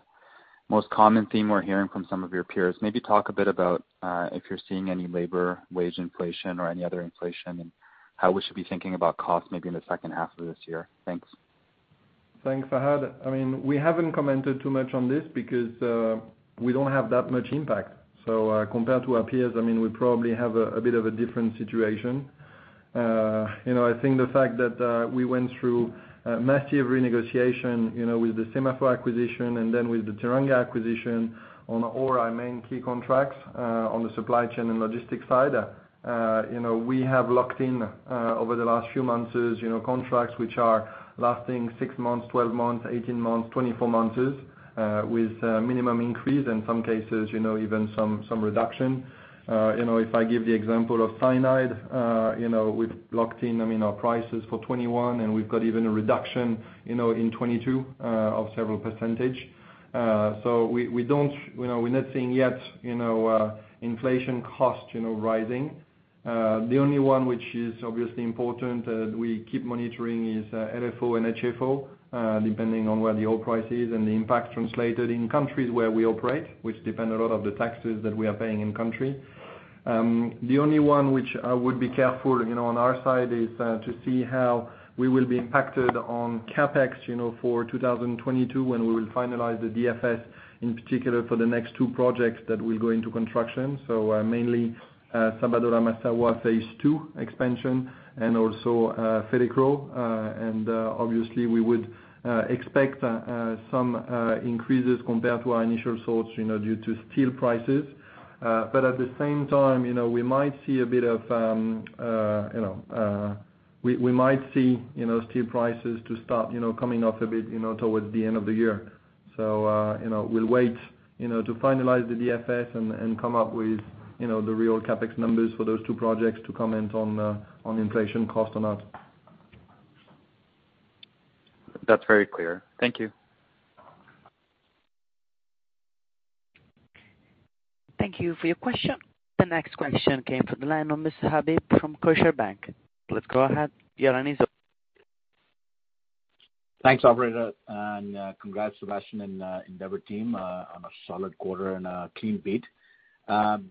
[SPEAKER 7] most common theme we're hearing from some of your peers. Maybe talk a bit about if you're seeing any labor wage inflation or any other inflation, and how we should be thinking about cost maybe in the second half of this year. Thanks.
[SPEAKER 3] Thanks, Fahad. We haven't commented too much on this because we don't have that much impact. Compared to our peers, we probably have a bit of a different situation. I think the fact that we went through massive renegotiation with the SEMAFO acquisition and then with the Teranga acquisition on all our main key contracts on the supply chain and logistics side. We have locked in over the last few months contracts which are lasting six months, 12 months, 18 months, 24 months with minimum increase, in some cases even some reduction. If I give the example of cyanide, we've locked in our prices for 2021, and we've got even a reduction in 2022 of several %. We're not seeing yet inflation cost rising. The only one which is obviously important that we keep monitoring is LFO and HFO, depending on where the oil price is and the impact translated in countries where we operate, which depend a lot on the taxes that we are paying in country. The only one which I would be careful on our side is to see how we will be impacted on CapEx for 2022 when we will finalize the DFS, in particular for the next two projects that will go into construction. Mainly Sabodala-Massawa phase II expansion and also Fetekro, and obviously we would expect some increases compared to our initial source due to steel prices. At the same time, we might see steel prices to start coming off a bit towards the end of the year. We'll wait to finalize the DFS and come up with the real CapEx numbers for those two projects to comment on inflation cost or not.
[SPEAKER 7] That is very clear. Thank you.
[SPEAKER 1] Thank you for your question. The next question came from the line of Mr. Habib from Scotiabank. Please go ahead. Your line is open.
[SPEAKER 8] Thanks, operator. Congrats, Sébastien and Endeavour team on a solid quarter and a clean beat.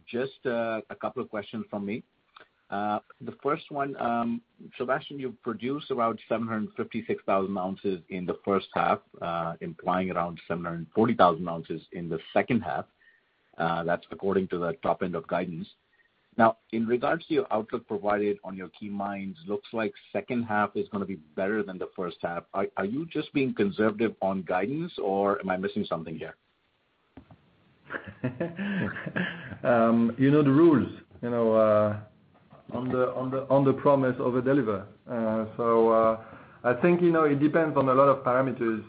[SPEAKER 8] Just a couple of questions from me. The first one, Sébastien, you produced around 756,000 oz in the first half, implying around 740,000 oz in the second half. That's according to the top end of guidance. In regards to your outlook provided on your key mines, looks like second half is going to be better than the first half. Are you just being conservative on guidance or am I missing something here?
[SPEAKER 3] You know the rules. Under promise, over deliver. I think it depends on a lot of parameters.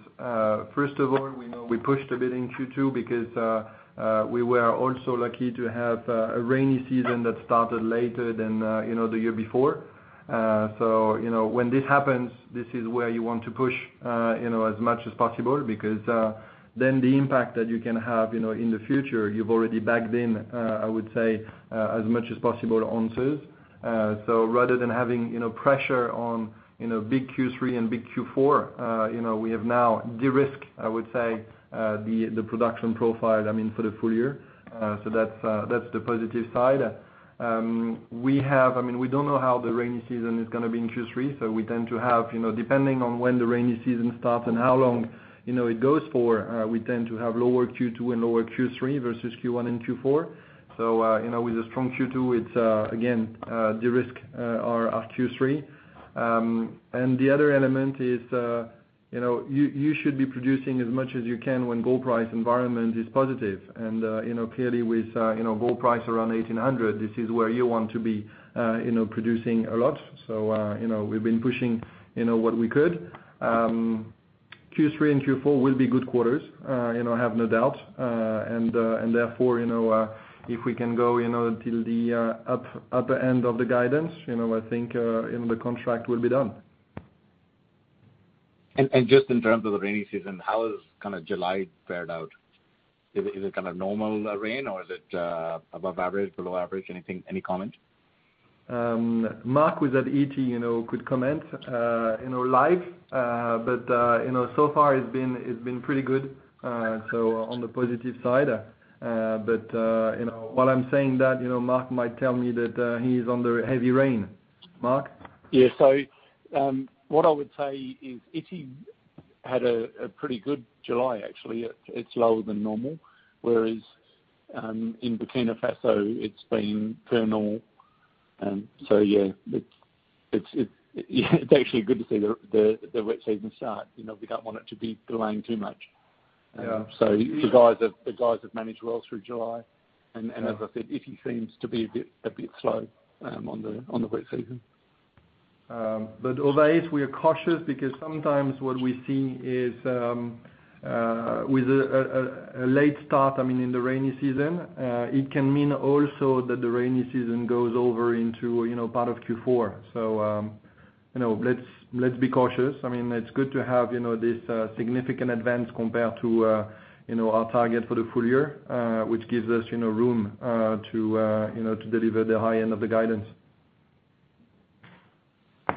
[SPEAKER 3] First of all, we pushed a bit in Q2 because we were also lucky to have a rainy season that started later than the year before. When this happens, this is where you want to push as much as possible, because then the impact that you can have in the future, you've already backed in, I would say, as much as possible ounces. Rather than having pressure on big Q3 and big Q4, we have now de-risked, I would say, the production profile for the full year. That's the positive side. We don't know how the rainy season is going to be in Q3, so we tend to have, depending on when the rainy season starts and how long it goes for, we tend to have lower Q2 and lower Q3 versus Q1 and Q4. With a strong Q2, it's again de-risk our Q3. The other element is, you should be producing as much as you can when gold price environment is positive. Clearly with gold price around $1,800, this is where you want to be producing a lot. We've been pushing what we could. Q3 and Q4 will be good quarters, I have no doubt. If we can go until the upper end of the guidance, I think the contract will be done.
[SPEAKER 8] Just in terms of the rainy season, how has July panned out? Is it normal rain or is it above average, below average? Anything, any comment?
[SPEAKER 3] Mark was at Ity, could comment live. So far it's been pretty good, so on the positive side. While I'm saying that, Mark might tell me that he's under heavy rain. Mark?
[SPEAKER 5] Yeah. What I would say is Ity had a pretty good July, actually. It's slower than normal, whereas in Burkina Faso it's been phenomenal. Yeah, it's actually good to see the wet season start. We don't want it to be delaying too much.
[SPEAKER 3] Yeah.
[SPEAKER 5] The guys have managed well through July, and as I said, Ity seems to be a bit slow on the wet season.
[SPEAKER 3] Ovais, we are cautious because sometimes what we see is with a late start in the rainy season, it can mean also that the rainy season goes over into part of Q4. Let's be cautious. It's good to have this significant advance compared to our target for the full year, which gives us room to deliver the high end of the guidance.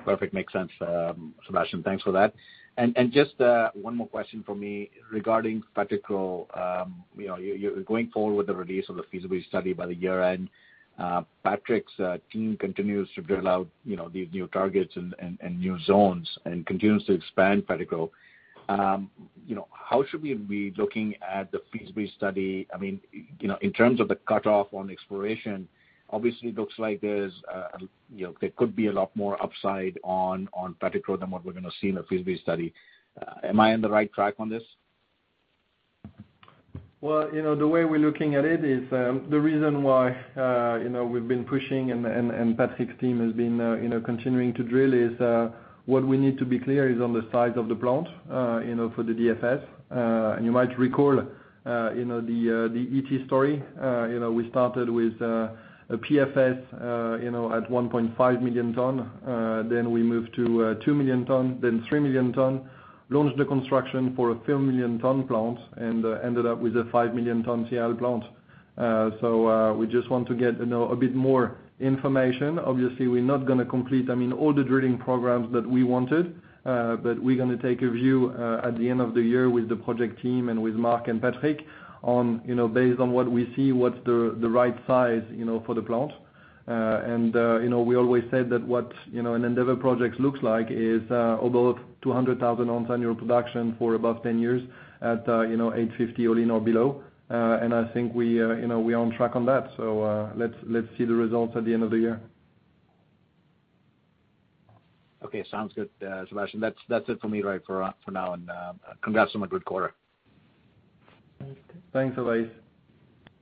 [SPEAKER 8] Perfect. Makes sense, Sébastien. Thanks for that. Just one more question from me regarding Fetekro. You're going forward with the release of the feasibility study by the year-end. Patrick's team continues to drill out these new targets and new zones and continues to expand Fetekro. How should we be looking at the feasibility study? In terms of the cutoff on exploration, obviously it looks like there could be a lot more upside on Fetekro than what we're going to see in a feasibility study. Am I on the right track on this?
[SPEAKER 3] Well, the way we're looking at it is, the reason why we've been pushing and Patrick's team has been continuing to drill is, what we need to be clear is on the size of the plant for the DFS. You might recall the Ity story. We started with a PFS at 1.5 million tons. We moved to 2 million tons, then 3 million tons, launched the construction for a 3 million tons plant, and ended up with a 5 million tons CIL plant. We just want to get a bit more information. Obviously, we're not going to complete all the drilling programs that we wanted. We're going to take a view at the end of the year with the project team and with Mark and Patrick based on what we see, what's the right size for the plant. We always said that what an Endeavour project looks like is above 200,000 oz annual production for above 10 years at $850 All-in or below. I think we are on track on that. Let's see the results at the end of the year.
[SPEAKER 8] Okay, sounds good, Sébastien. That's it for me right for now, and congrats on a good quarter.
[SPEAKER 3] Thanks, Ovais.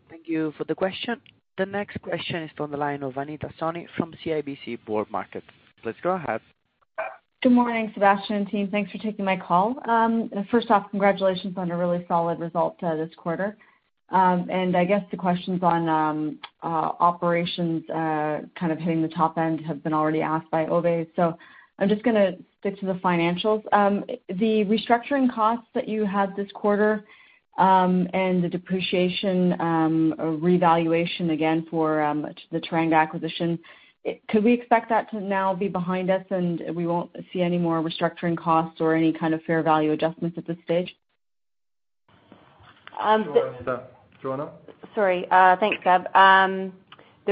[SPEAKER 1] Thank you for the question. The next question is from the line of Anita Soni from CIBC World Markets. Please go ahead.
[SPEAKER 9] Good morning, Sébastien and team. Thanks for taking my call. First off, congratulations on a really solid result this quarter. I guess the questions on operations hitting the top end have been already asked by Ovais. I'm just going to stick to the financials. The restructuring costs that you had this quarter, and the depreciation, revaluation again for the Teranga acquisition, could we expect that to now be behind us and we won't see any more restructuring costs or any kind of fair value adjustments at this stage?
[SPEAKER 3] Joanna?
[SPEAKER 4] Sorry. Thanks, Seb.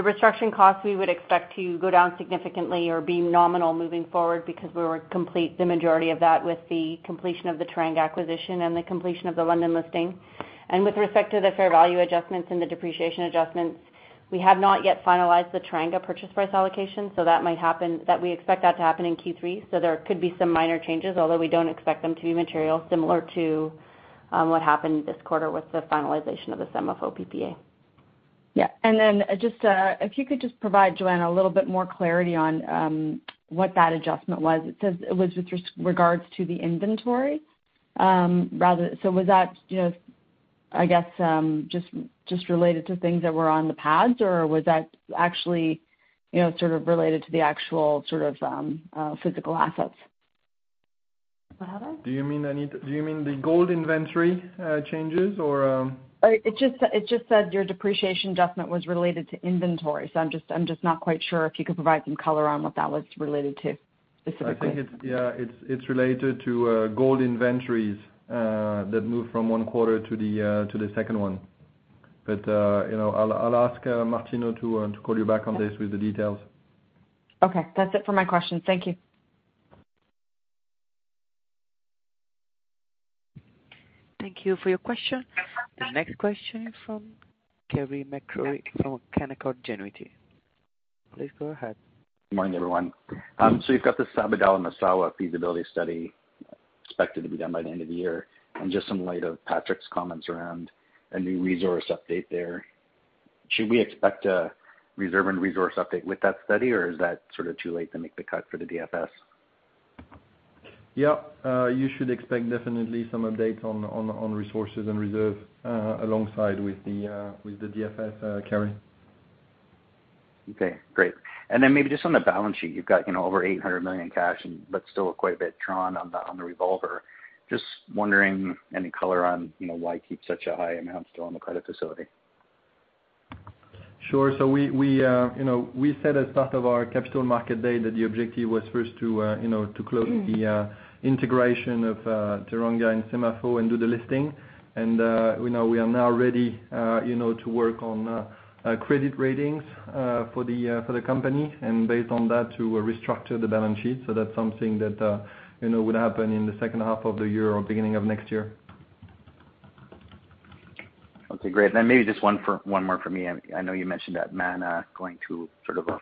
[SPEAKER 4] The restructuring costs we would expect to go down significantly or be nominal moving forward because we were complete the majority of that with the completion of the Teranga acquisition and the completion of the London listing. With respect to the fair value adjustments and the depreciation adjustments, we have not yet finalized the Teranga purchase price allocation, that we expect that to happen in Q3. There could be some minor changes, although we don't expect them to be material similar to what happened this quarter with the finalization of the SEMAFO PPA.
[SPEAKER 9] Yeah. If you could just provide, Joanna, a little bit more clarity on what that adjustment was. It says it was with regards to the inventory. Was that, I guess, just related to things that were on the pads, or was that actually related to the actual physical assets?
[SPEAKER 4] What Adama?
[SPEAKER 3] Do you mean the gold inventory changes?
[SPEAKER 9] It just said your depreciation adjustment was related to inventory. I'm just not quite sure if you could provide some color on what that was related to specifically?
[SPEAKER 3] I think it's related to gold inventories that moved from one quarter to the second one. I'll ask Martino to call you back on this with the details.
[SPEAKER 9] Okay, that's it for my question. Thank you.
[SPEAKER 1] Thank you for your question. The next question from Carey MacRury from Canaccord Genuity. Please go ahead.
[SPEAKER 10] Good morning, everyone. You've got the Sabodala-Massawa feasibility study expected to be done by the end of the year. Just some light of Patrick's comments around a new resource update there. Should we expect a reserve and resource update with that study, or is that too late to make the cut for the DFS?
[SPEAKER 3] Yeah. You should expect definitely some updates on resources and reserve, alongside with the DFS, Carey.
[SPEAKER 10] Okay, great. Maybe just on the balance sheet, you've got over $800 million cash, but still quite a bit drawn on the revolver. Just wondering, any color on why keep such a high amount still on the credit facility?
[SPEAKER 3] Sure. We said as part of our capital market day that the objective was first to close the integration of Teranga and SEMAFO and do the listing. We are now ready to work on credit ratings for the company and based on that, to restructure the balance sheet. That's something that would happen in the second half of the year or beginning of next year.
[SPEAKER 10] Okay, great. Maybe just one more from me. I know you mentioned that Mana going to a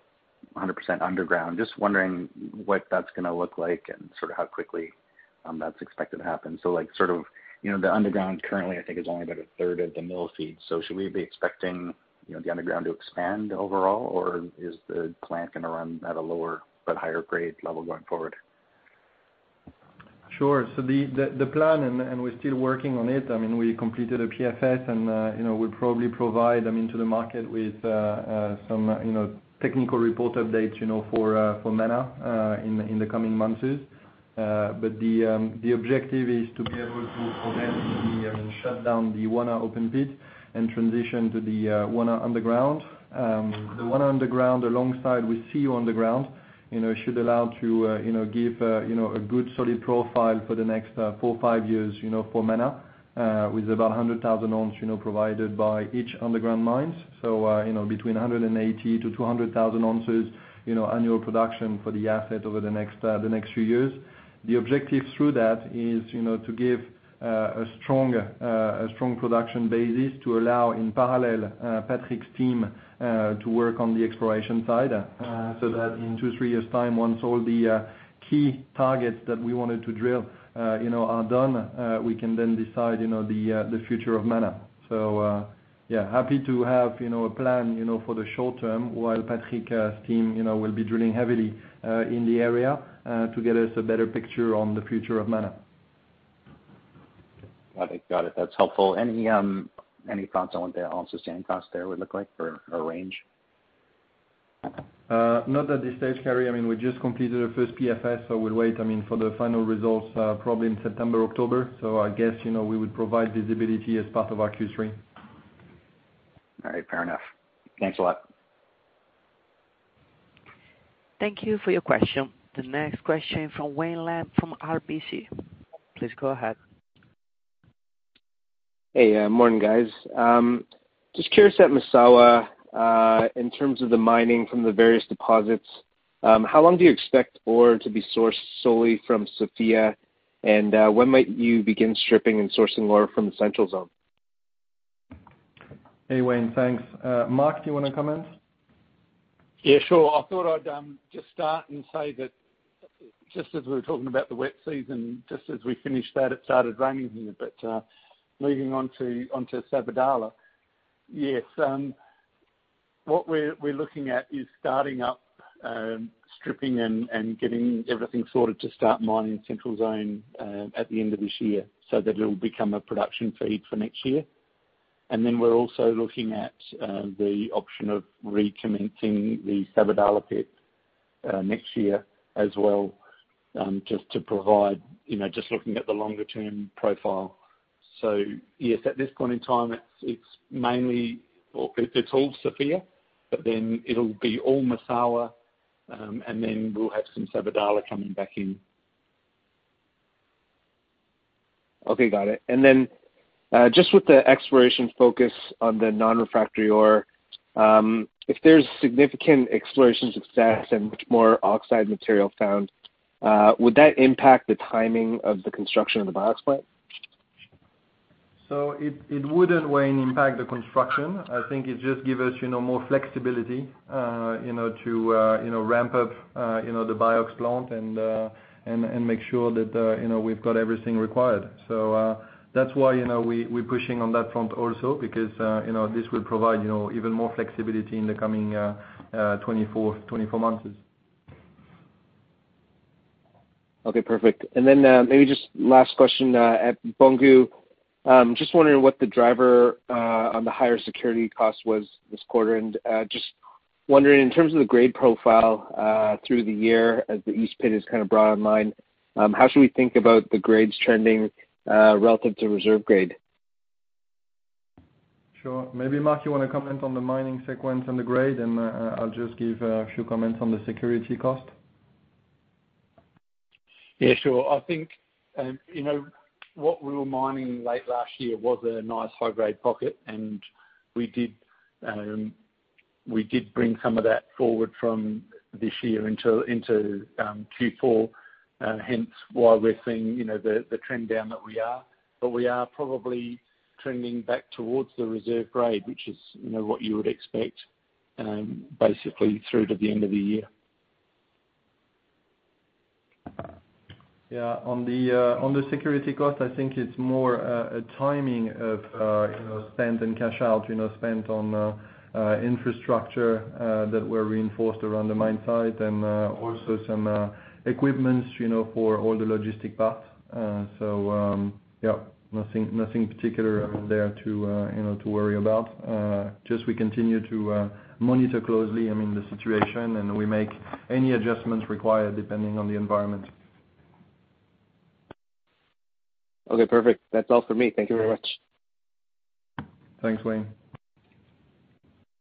[SPEAKER 10] 100% underground. Just wondering what that's going to look like and how quickly that's expected to happen. The underground currently I think is only about a third of the mill feed. Should we be expecting the underground to expand overall, or is the plant going to run at a lower but higher grade level going forward?
[SPEAKER 3] The plan, and we are still working on it. We completed a PFS and we will probably provide to the market with some technical report updates for Mana in the coming months. The objective is to be able to commence the shut down the Wona open pit and transition to the Wona underground. The Wona underground, alongside with Siou underground, should allow to give a good solid profile for the next four or five years for Mana, with about 100,000 oz provided by each underground mines. Between 180,000 oz-200,000 oz annual production for the asset over the next few years. The objective through that is to give a strong production basis to allow in parallel Patrick's team to work on the exploration side. That in two, three years' time, once all the key targets that we wanted to drill are done, we can then decide the future of Mana. Happy to have a plan for the short term while Patrick's team will be drilling heavily in the area, to get us a better picture on the future of Mana.
[SPEAKER 10] Got it. That's helpful. Any thoughts on what the All-in Sustaining Costs there would look like for a range?
[SPEAKER 3] Not at this stage, Carey. We just completed our first PFS, so we'll wait for the final results, probably in September, October. I guess we would provide visibility as part of our Q3.
[SPEAKER 10] All right. Fair enough. Thanks a lot.
[SPEAKER 1] Thank you for your question. The next question from Wayne Lam from RBC. Please go ahead.
[SPEAKER 11] Hey, morning, guys. Just curious at Massawa, in terms of the mining from the various deposits, how long do you expect ore to be sourced solely from Sofia? When might you begin stripping and sourcing ore from the Central Zone?
[SPEAKER 3] Hey, Wayne. Thanks. Mark, do you want to comment?
[SPEAKER 5] Yeah, sure. I thought I'd just start and say that just as we were talking about the wet season, just as we finished that, it started raining here. Moving on to Sabodala. Yes. What we're looking at is starting up stripping and getting everything sorted to start mining Central Zone at the end of this year, so that it'll become a production feed for next year. We're also looking at the option of recommencing the Sabodala pit next year as well, just to provide, just looking at the longer-term profile. Yes, at this point in time, it's all Sofia, but then it'll be all Massawa, and then we'll have some Sabodala coming back in.
[SPEAKER 11] Okay, got it. Just with the exploration focus on the non-refractory ore, if there's significant exploration success and much more oxide material found, would that impact the timing of the construction of the BIOX plant?
[SPEAKER 3] It wouldn't, Wayne, impact the construction. I think it just give us more flexibility to ramp up the BIOX plant and make sure that we've got everything required. That's why we're pushing on that front also because this will provide even more flexibility in the coming 24 months.
[SPEAKER 11] Okay, perfect. Maybe just last question at Boungou. Just wondering what the driver on the higher security cost was this quarter, and just wondering in terms of the grade profile through the year as the east pit is brought online, how should we think about the grades trending relative to reserve grade?
[SPEAKER 3] Sure. Maybe, Mark, you want to comment on the mining sequence and the grade, and I'll just give a few comments on the security cost.
[SPEAKER 5] Yeah, sure. I think what we were mining late last year was a nice high-grade pocket, and we did bring some of that forward from this year into Q4, hence why we're seeing the trend down that we are. We are probably trending back towards the reserve grade, which is what you would expect, basically through to the end of the year.
[SPEAKER 3] On the security cost, I think it's more a timing of spend and cash out, spent on infrastructure that were reinforced around the mine site and also some equipment for all the logistics parts. Nothing particular there to worry about. We continue to monitor closely the situation, and we make any adjustments required depending on the environment.
[SPEAKER 11] Okay, perfect. That's all for me. Thank you very much.
[SPEAKER 3] Thanks, Wayne.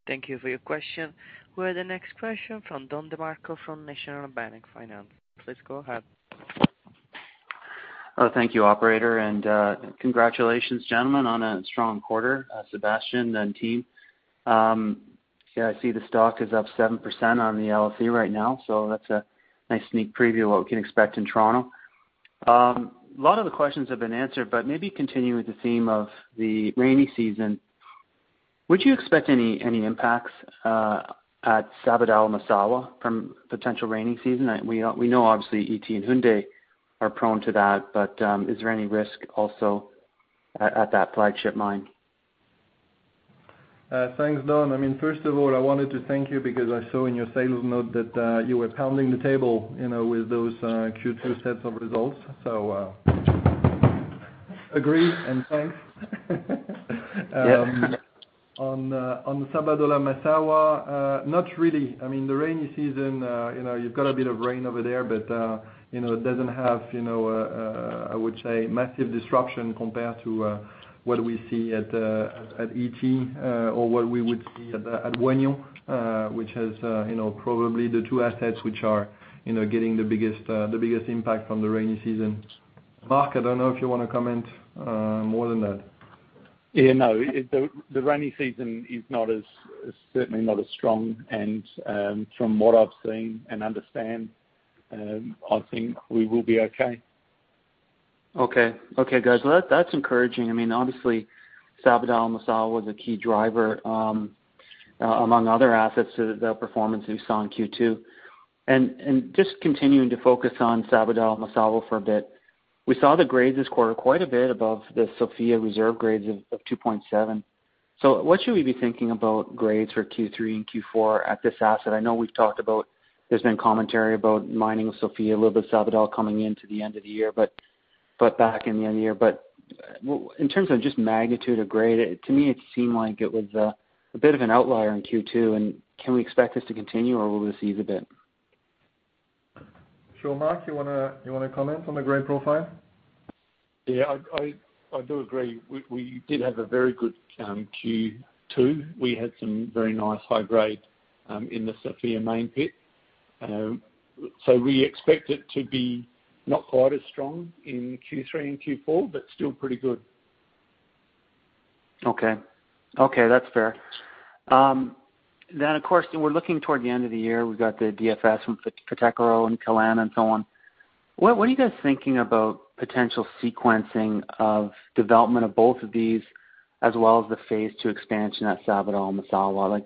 [SPEAKER 1] Thank you for your question. We have the next question from Don DeMarco from National Bank Financial. Please go ahead.
[SPEAKER 12] Thank you, operator. Congratulations, gentlemen, on a strong quarter, Sébastien and team. Yeah, I see the stock is up 7% on the LSE right now, so that's a nice sneak preview of what we can expect in Toronto. A lot of the questions have been answered, but maybe continue with the theme of the rainy season. Would you expect any impacts at Sabodala-Massawa from potential rainy season? We know obviously Ity and Houndé are prone to that, but is there any risk also at that flagship mine?
[SPEAKER 3] Thanks, Don. First of all, I wanted to thank you because I saw in your sales note that you were pounding the table with those Q2 sets of results. Agree and thanks.
[SPEAKER 12] Yeah.
[SPEAKER 3] Sabodala-Massawa, not really. The rainy season, you've got a bit of rain over there. It doesn't have a, I would say, massive disruption compared to what we see at Ity or what we would see at Wahgnion which has probably the two assets which are getting the biggest impact from the rainy season. Mark, I don't know if you want to comment more than that.
[SPEAKER 5] Yeah, no. The rainy season is certainly not as strong. From what I've seen and understand, I think we will be okay.
[SPEAKER 12] Okay. Okay, guys. Well, that's encouraging. Sabodala-Massawa's a key driver among other assets to the performance that we saw in Q2. Just continuing to focus on Sabodala-Massawa for a bit, we saw the grades this quarter quite a bit above the Sofia reserve grades of 2.7. What should we be thinking about grades for Q3 and Q4 at this asset? I know we've talked about, there's been commentary about mining of Sofia, a little bit of Sabodala coming into the end of the year. In terms of just magnitude of grade, to me, it seemed like it was a bit of an outlier in Q2, and can we expect this to continue, or will this ease a bit?
[SPEAKER 3] Sure. Mark, you want to comment on the grade profile?
[SPEAKER 5] Yeah, I do agree. We did have a very good Q2. We had some very nice high grade in the Sofia main pit. We expect it to be not quite as strong in Q3 and Q4, but still pretty good.
[SPEAKER 12] Okay. Okay, that's fair. Of course, we're looking toward the end of the year. We've got the DFS from Fetekro and Kalana and so on. What are you guys thinking about potential sequencing of development of both of these, as well as the phase II expansion at Sabodala-Massawa?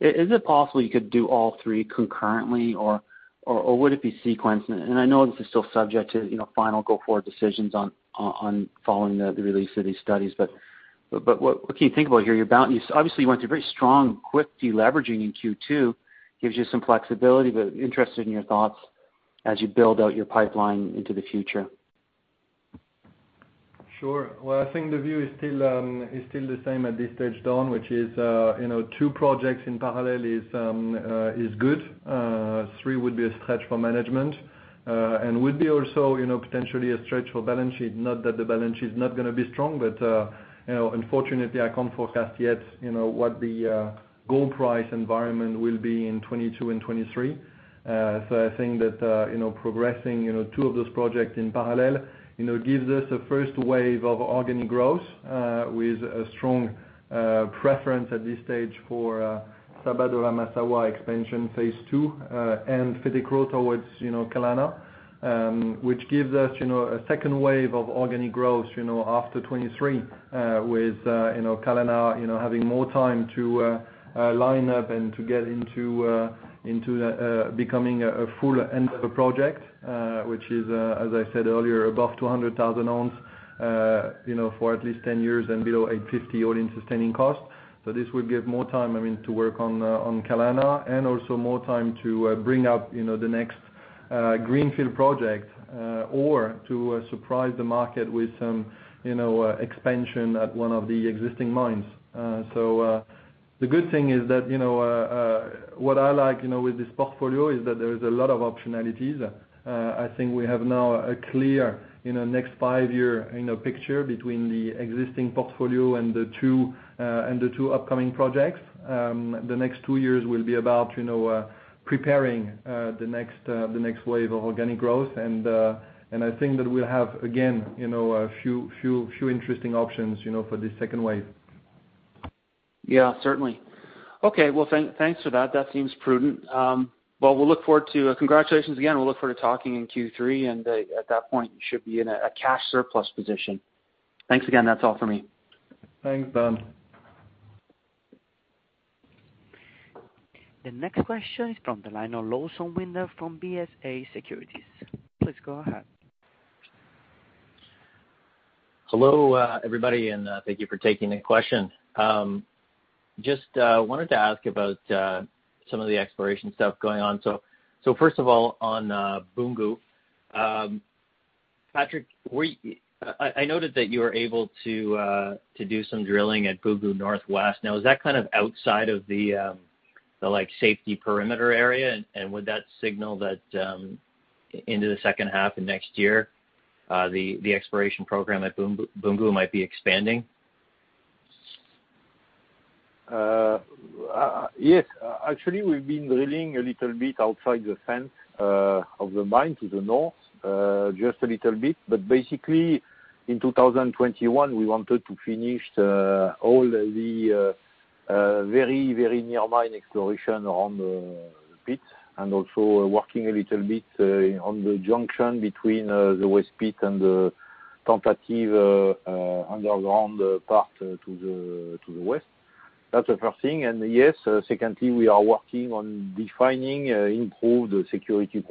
[SPEAKER 12] Is it possible you could do all three concurrently, or would it be sequenced? I know this is still subject to final go-forward decisions following the release of these studies, but what can you think about here? Obviously, you went through a very strong, quick de-leveraging in Q2, gives you some flexibility, but interested in your thoughts as you build out your pipeline into the future.
[SPEAKER 3] Sure. Well, I think the view is still the same at this stage, Don, which is two projects in parallel is good. Three would be a stretch for management and would be also potentially a stretch for balance sheet. Not that the balance sheet is not going to be strong, but unfortunately, I can't forecast yet what the gold price environment will be in 2022 and 2023. I think that progressing two of those projects in parallel gives us a first wave of organic growth, with a strong preference at this stage for Sabodala-Massawa expansion phase II, and Fetekro towards Kalana, which gives us a second wave of organic growth after 2023, with Kalana having more time to line up and to get into becoming a full Endeavour project, which is, as I said earlier, above 200,000 oz for at least 10 years, and below $850 All-in Sustaining Cost. This would give more time to work on Kalana and also more time to bring out the next greenfield project or to surprise the market with some expansion at one of the existing mines. The good thing is that what I like with this portfolio is that there is a lot of optionalities. I think we have now a clear next five-year picture between the existing portfolio and the two upcoming projects. The next two years will be about preparing the next wave of organic growth. I think that we'll have, again, a few interesting options for this second wave.
[SPEAKER 12] Yeah, certainly. Okay. Well, thanks for that. That seems prudent. Well, congratulations again. We'll look forward to talking in Q3, and at that point, you should be in a cash surplus position. Thanks again. That's all for me.
[SPEAKER 3] Thanks, Don.
[SPEAKER 1] The next question is from the line of Lawson Winder from BofA Securities. Please go ahead.
[SPEAKER 13] Hello, everybody, thank you for taking the question. Just wanted to ask about some of the exploration stuff going on. First of all, on Boungou, Patrick, I noted that you were able to do some drilling at Boungou Northwest. Is that outside of the safety perimeter area? Would that signal that into the second half of next year, the exploration program at Boungou might be expanding?
[SPEAKER 6] Yes. Actually, we've been drilling a little bit outside the fence of the mine to the north, just a little bit. Basically, in 2021, we wanted to finish all the very near mine exploration on the pit and also working a little bit on the junction between the waste pit and the tentative underground part to the west. That's the first thing. Yes, secondly, we are working on defining improved security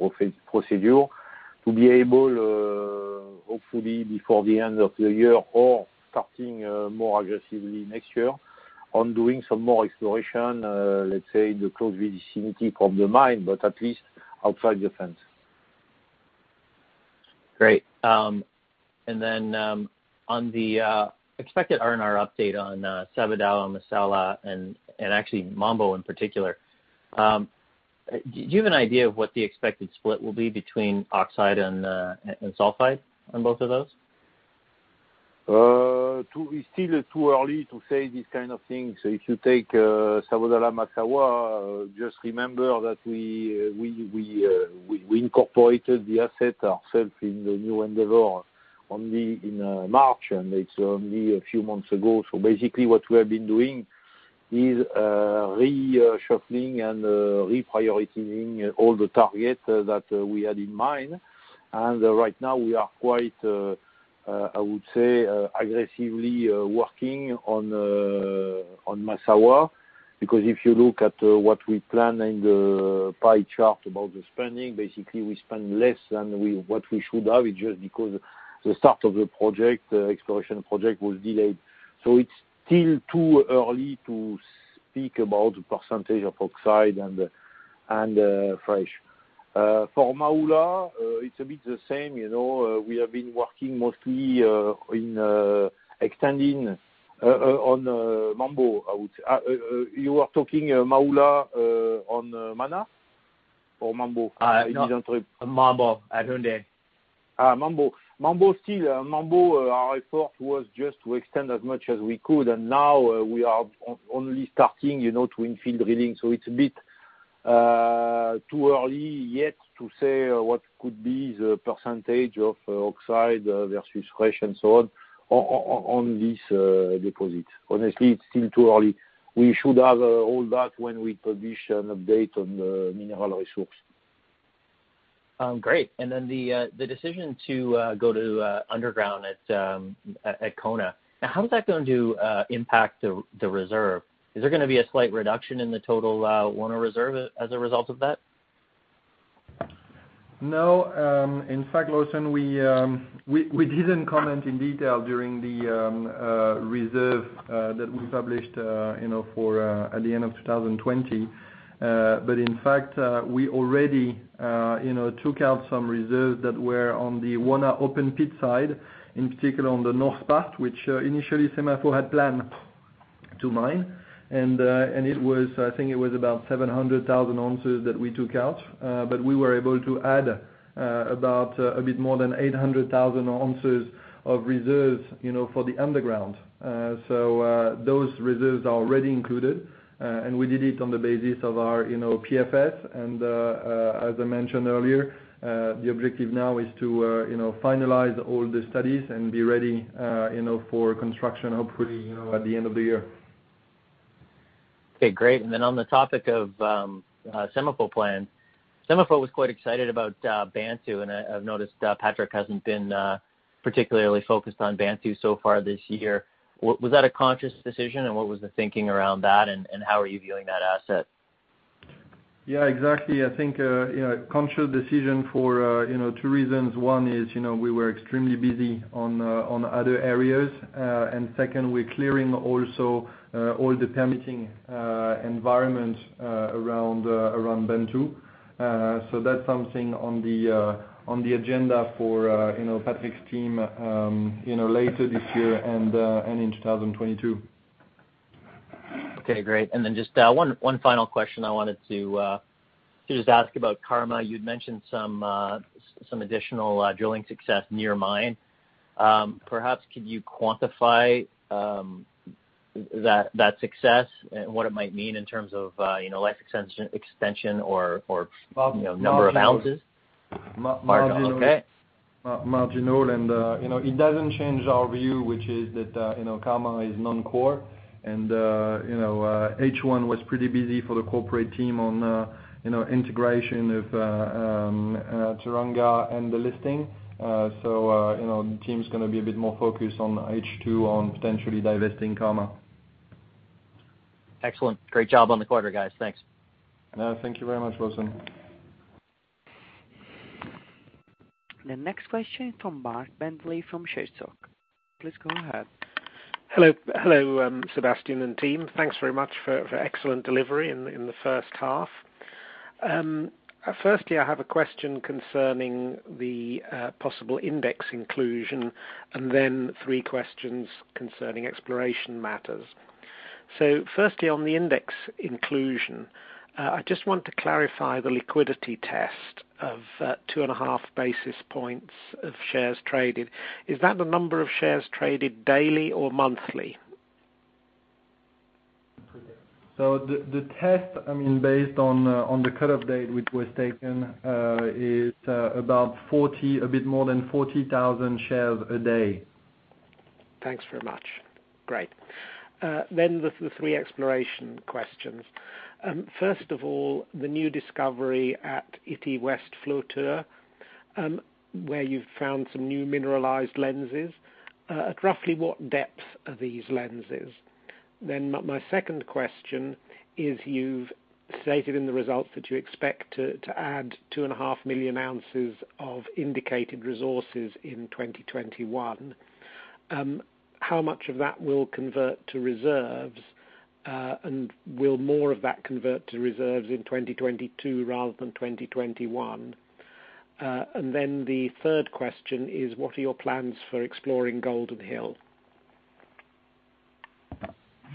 [SPEAKER 6] procedure to be able, hopefully before the end of the year or starting more aggressively next year, on doing some more exploration, let's say, in the close vicinity of the mine, but at least outside the fence.
[SPEAKER 13] Great. On the expected R&R update on Sabodala, Massawa, and actually Mambo in particular, do you have an idea of what the expected split will be between oxide and sulfide on both of those?
[SPEAKER 6] It's still too early to say this kind of thing. If you take Sabodala-Massawa, just remember that we incorporated the asset ourselves in Endeavour only in March, and it's only a few months ago. Basically, what we have been doing is reshuffling and reprioritizing all the targets that we had in mind. Right now we are quite, I would say, aggressively working on Massawa, because if you look at what we plan in the pie chart about the spending, basically we spend less than what we should have just because the start of the exploration project was delayed. It's still too early to speak about the percentage of oxide and fresh. For Mana, it's a bit the same. We have been working mostly on extending on Mambo. You are talking Mana on Mana or Mambo?
[SPEAKER 13] Mambo at Houndé.
[SPEAKER 6] Mambo. Mambo, our effort was just to extend as much as we could. Now we are only starting to infield drilling. It's a bit too early yet to say what could be the percentage of oxide versus fresh and so on this deposit. Honestly, it's still too early. We should have all that when we publish an update on the mineral resource.
[SPEAKER 13] Great. The decision to go to underground at Wona. Now, how is that going to impact the reserve? Is there going to be a slight reduction in the total Wona reserve as a result of that?
[SPEAKER 3] No. In fact, Lawson, we didn't comment in detail during the reserve that we published at the end of 2020. In fact, we already took out some reserves that were on the Wona open pit side, in particular on the north part, which initially SEMAFO had planned to mine. I think it was about 700,000 oz that we took out. We were able to add about a bit more than 800,000 oz of reserves for the underground. Those reserves are already included, and we did it on the basis of our PFS. As I mentioned earlier, the objective now is to finalize all the studies and be ready for construction, hopefully at the end of the year.
[SPEAKER 13] Okay, great. On the topic of SEMAFO plans, SEMAFO was quite excited about Bantou, and I've noticed Patrick hasn't been particularly focused on Bantou so far this year. Was that a conscious decision, and what was the thinking around that, and how are you viewing that asset?
[SPEAKER 3] Yeah, exactly. I think conscious decision for two reasons. One is, we were extremely busy on other areas. Second, we're clearing also all the permitting environment around Bantou. That's something on the agenda for Patrick's team later this year and in 2022.
[SPEAKER 13] Okay, great. Just one final question I wanted to just ask about Mana. You'd mentioned some additional drilling success near mine. Perhaps could you quantify that success, what it might mean in terms of life extension or number of ounces?
[SPEAKER 3] Marginal.
[SPEAKER 13] Okay.
[SPEAKER 3] Marginal. It doesn't change our view, which is that Karma is non-core and H1 was pretty busy for the corporate team on integration of Teranga and the listing. The team's going to be a bit more focused on H2 on potentially divesting Karma.
[SPEAKER 13] Excellent. Great job on the quarter, guys. Thanks.
[SPEAKER 3] Thank you very much, Lawson.
[SPEAKER 1] The next question from Mark Bentley from ShareSoc. Please go ahead.
[SPEAKER 14] Hello, Sébastien and team. Thanks very much for excellent delivery in the first half. Firstly, I have a question concerning the possible index inclusion and then three questions concerning exploration matters. Firstly, on the index inclusion, I just want to clarify the liquidity test of 2.5 basis points of shares traded. Is that the number of shares traded daily or monthly?
[SPEAKER 3] The test, based on the cut-up date, which was taken, is a bit more than 40,000 shares a day.
[SPEAKER 14] Thanks very much. Great. The three exploration questions. First of all, the new discovery at Ity West Flotouo, where you've found some new mineralized lenses. At roughly what depth are these lenses? My second question is you've stated in the results that you expect to add 2.5 million oz of indicated resources in 2021. How much of that will convert to reserves? Will more of that convert to reserves in 2022 rather than 2021? The third question is what are your plans for exploring Golden Hill?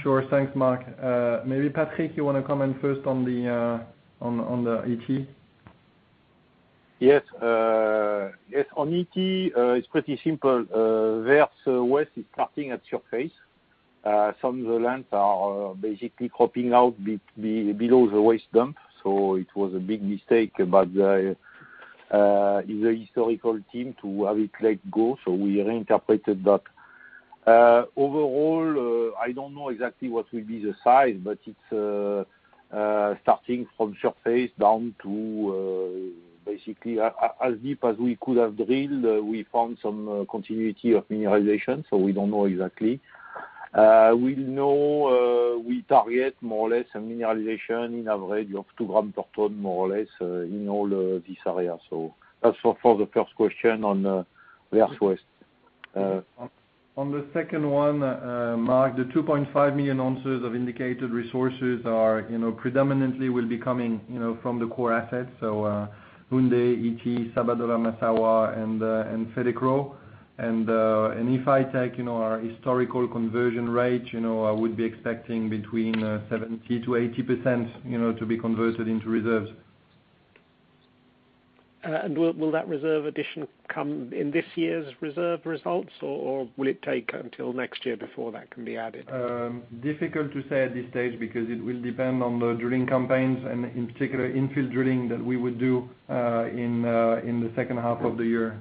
[SPEAKER 3] Sure. Thanks, Mark. Maybe Patrick, you want to comment first on the Ity?
[SPEAKER 6] Yes. On Ity, it's pretty simple. There, West is starting at surface. Some of the lands are basically cropping out below the waste dump, so it was a big mistake, but the historical team to have it let go, so we reinterpreted that. Overall, I don't know exactly what will be the size, but it's starting from surface down to basically as deep as we could have drilled, we found some continuity of mineralization, so we don't know exactly. We know we target more or less a mineralization in average of 2 g/ton, more or less, in all this area. That's for the first question on the West.
[SPEAKER 3] On the second one, Mark, the 2.5 million oz of indicated resources predominantly will be coming from the core assets. Houndé, Ity, Sabodala, Massawa, and Fetekro. If I take our historical conversion rate, I would be expecting between 70%-80% to be converted into reserves.
[SPEAKER 14] Will that reserve addition come in this year's reserve results, or will it take until next year before that can be added?
[SPEAKER 3] Difficult to say at this stage because it will depend on the drilling campaigns and in particular infill drilling that we would do in the second half of the year.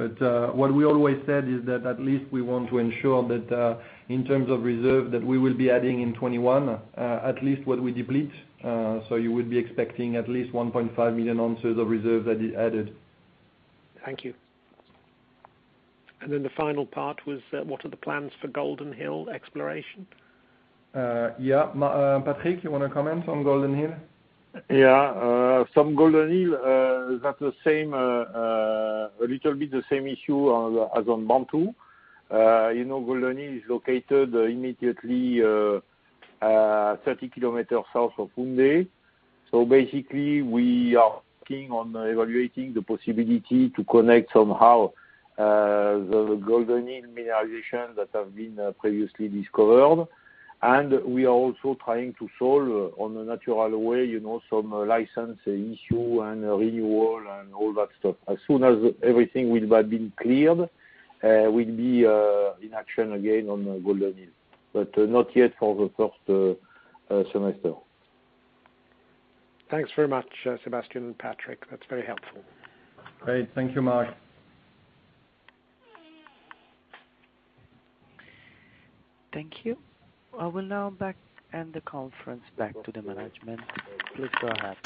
[SPEAKER 3] What we always said is that at least we want to ensure that in terms of reserve, that we will be adding in 2021 at least what we deplete. You would be expecting at least 1.5 million oz of reserves added.
[SPEAKER 14] Thank you. The final part was what are the plans for Golden Hill exploration?
[SPEAKER 3] Yeah. Patrick, you want to comment on Golden Hill?
[SPEAKER 6] Yeah. From Golden Hill, that's a little bit the same issue as on Bantou. Golden Hill is located immediately 30 km south of Gombele. Basically we are working on evaluating the possibility to connect somehow the Golden Hill mineralization that have been previously discovered. We are also trying to solve on a natural way some license issue and renewal and all that stuff. As soon as everything will have been cleared, we'll be in action again on Golden Hill, but not yet for the first semester.
[SPEAKER 14] Thanks very much, Sébastien and Patrick. That's very helpful.
[SPEAKER 3] Great. Thank you, Mark.
[SPEAKER 1] Thank you. I will now hand the conference back to the management. Please go ahead.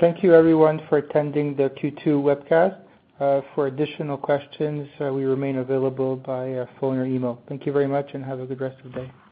[SPEAKER 2] Thank you everyone for attending the Q2 webcast. For additional questions, we remain available by phone or email. Thank you very much and have a good rest of the day.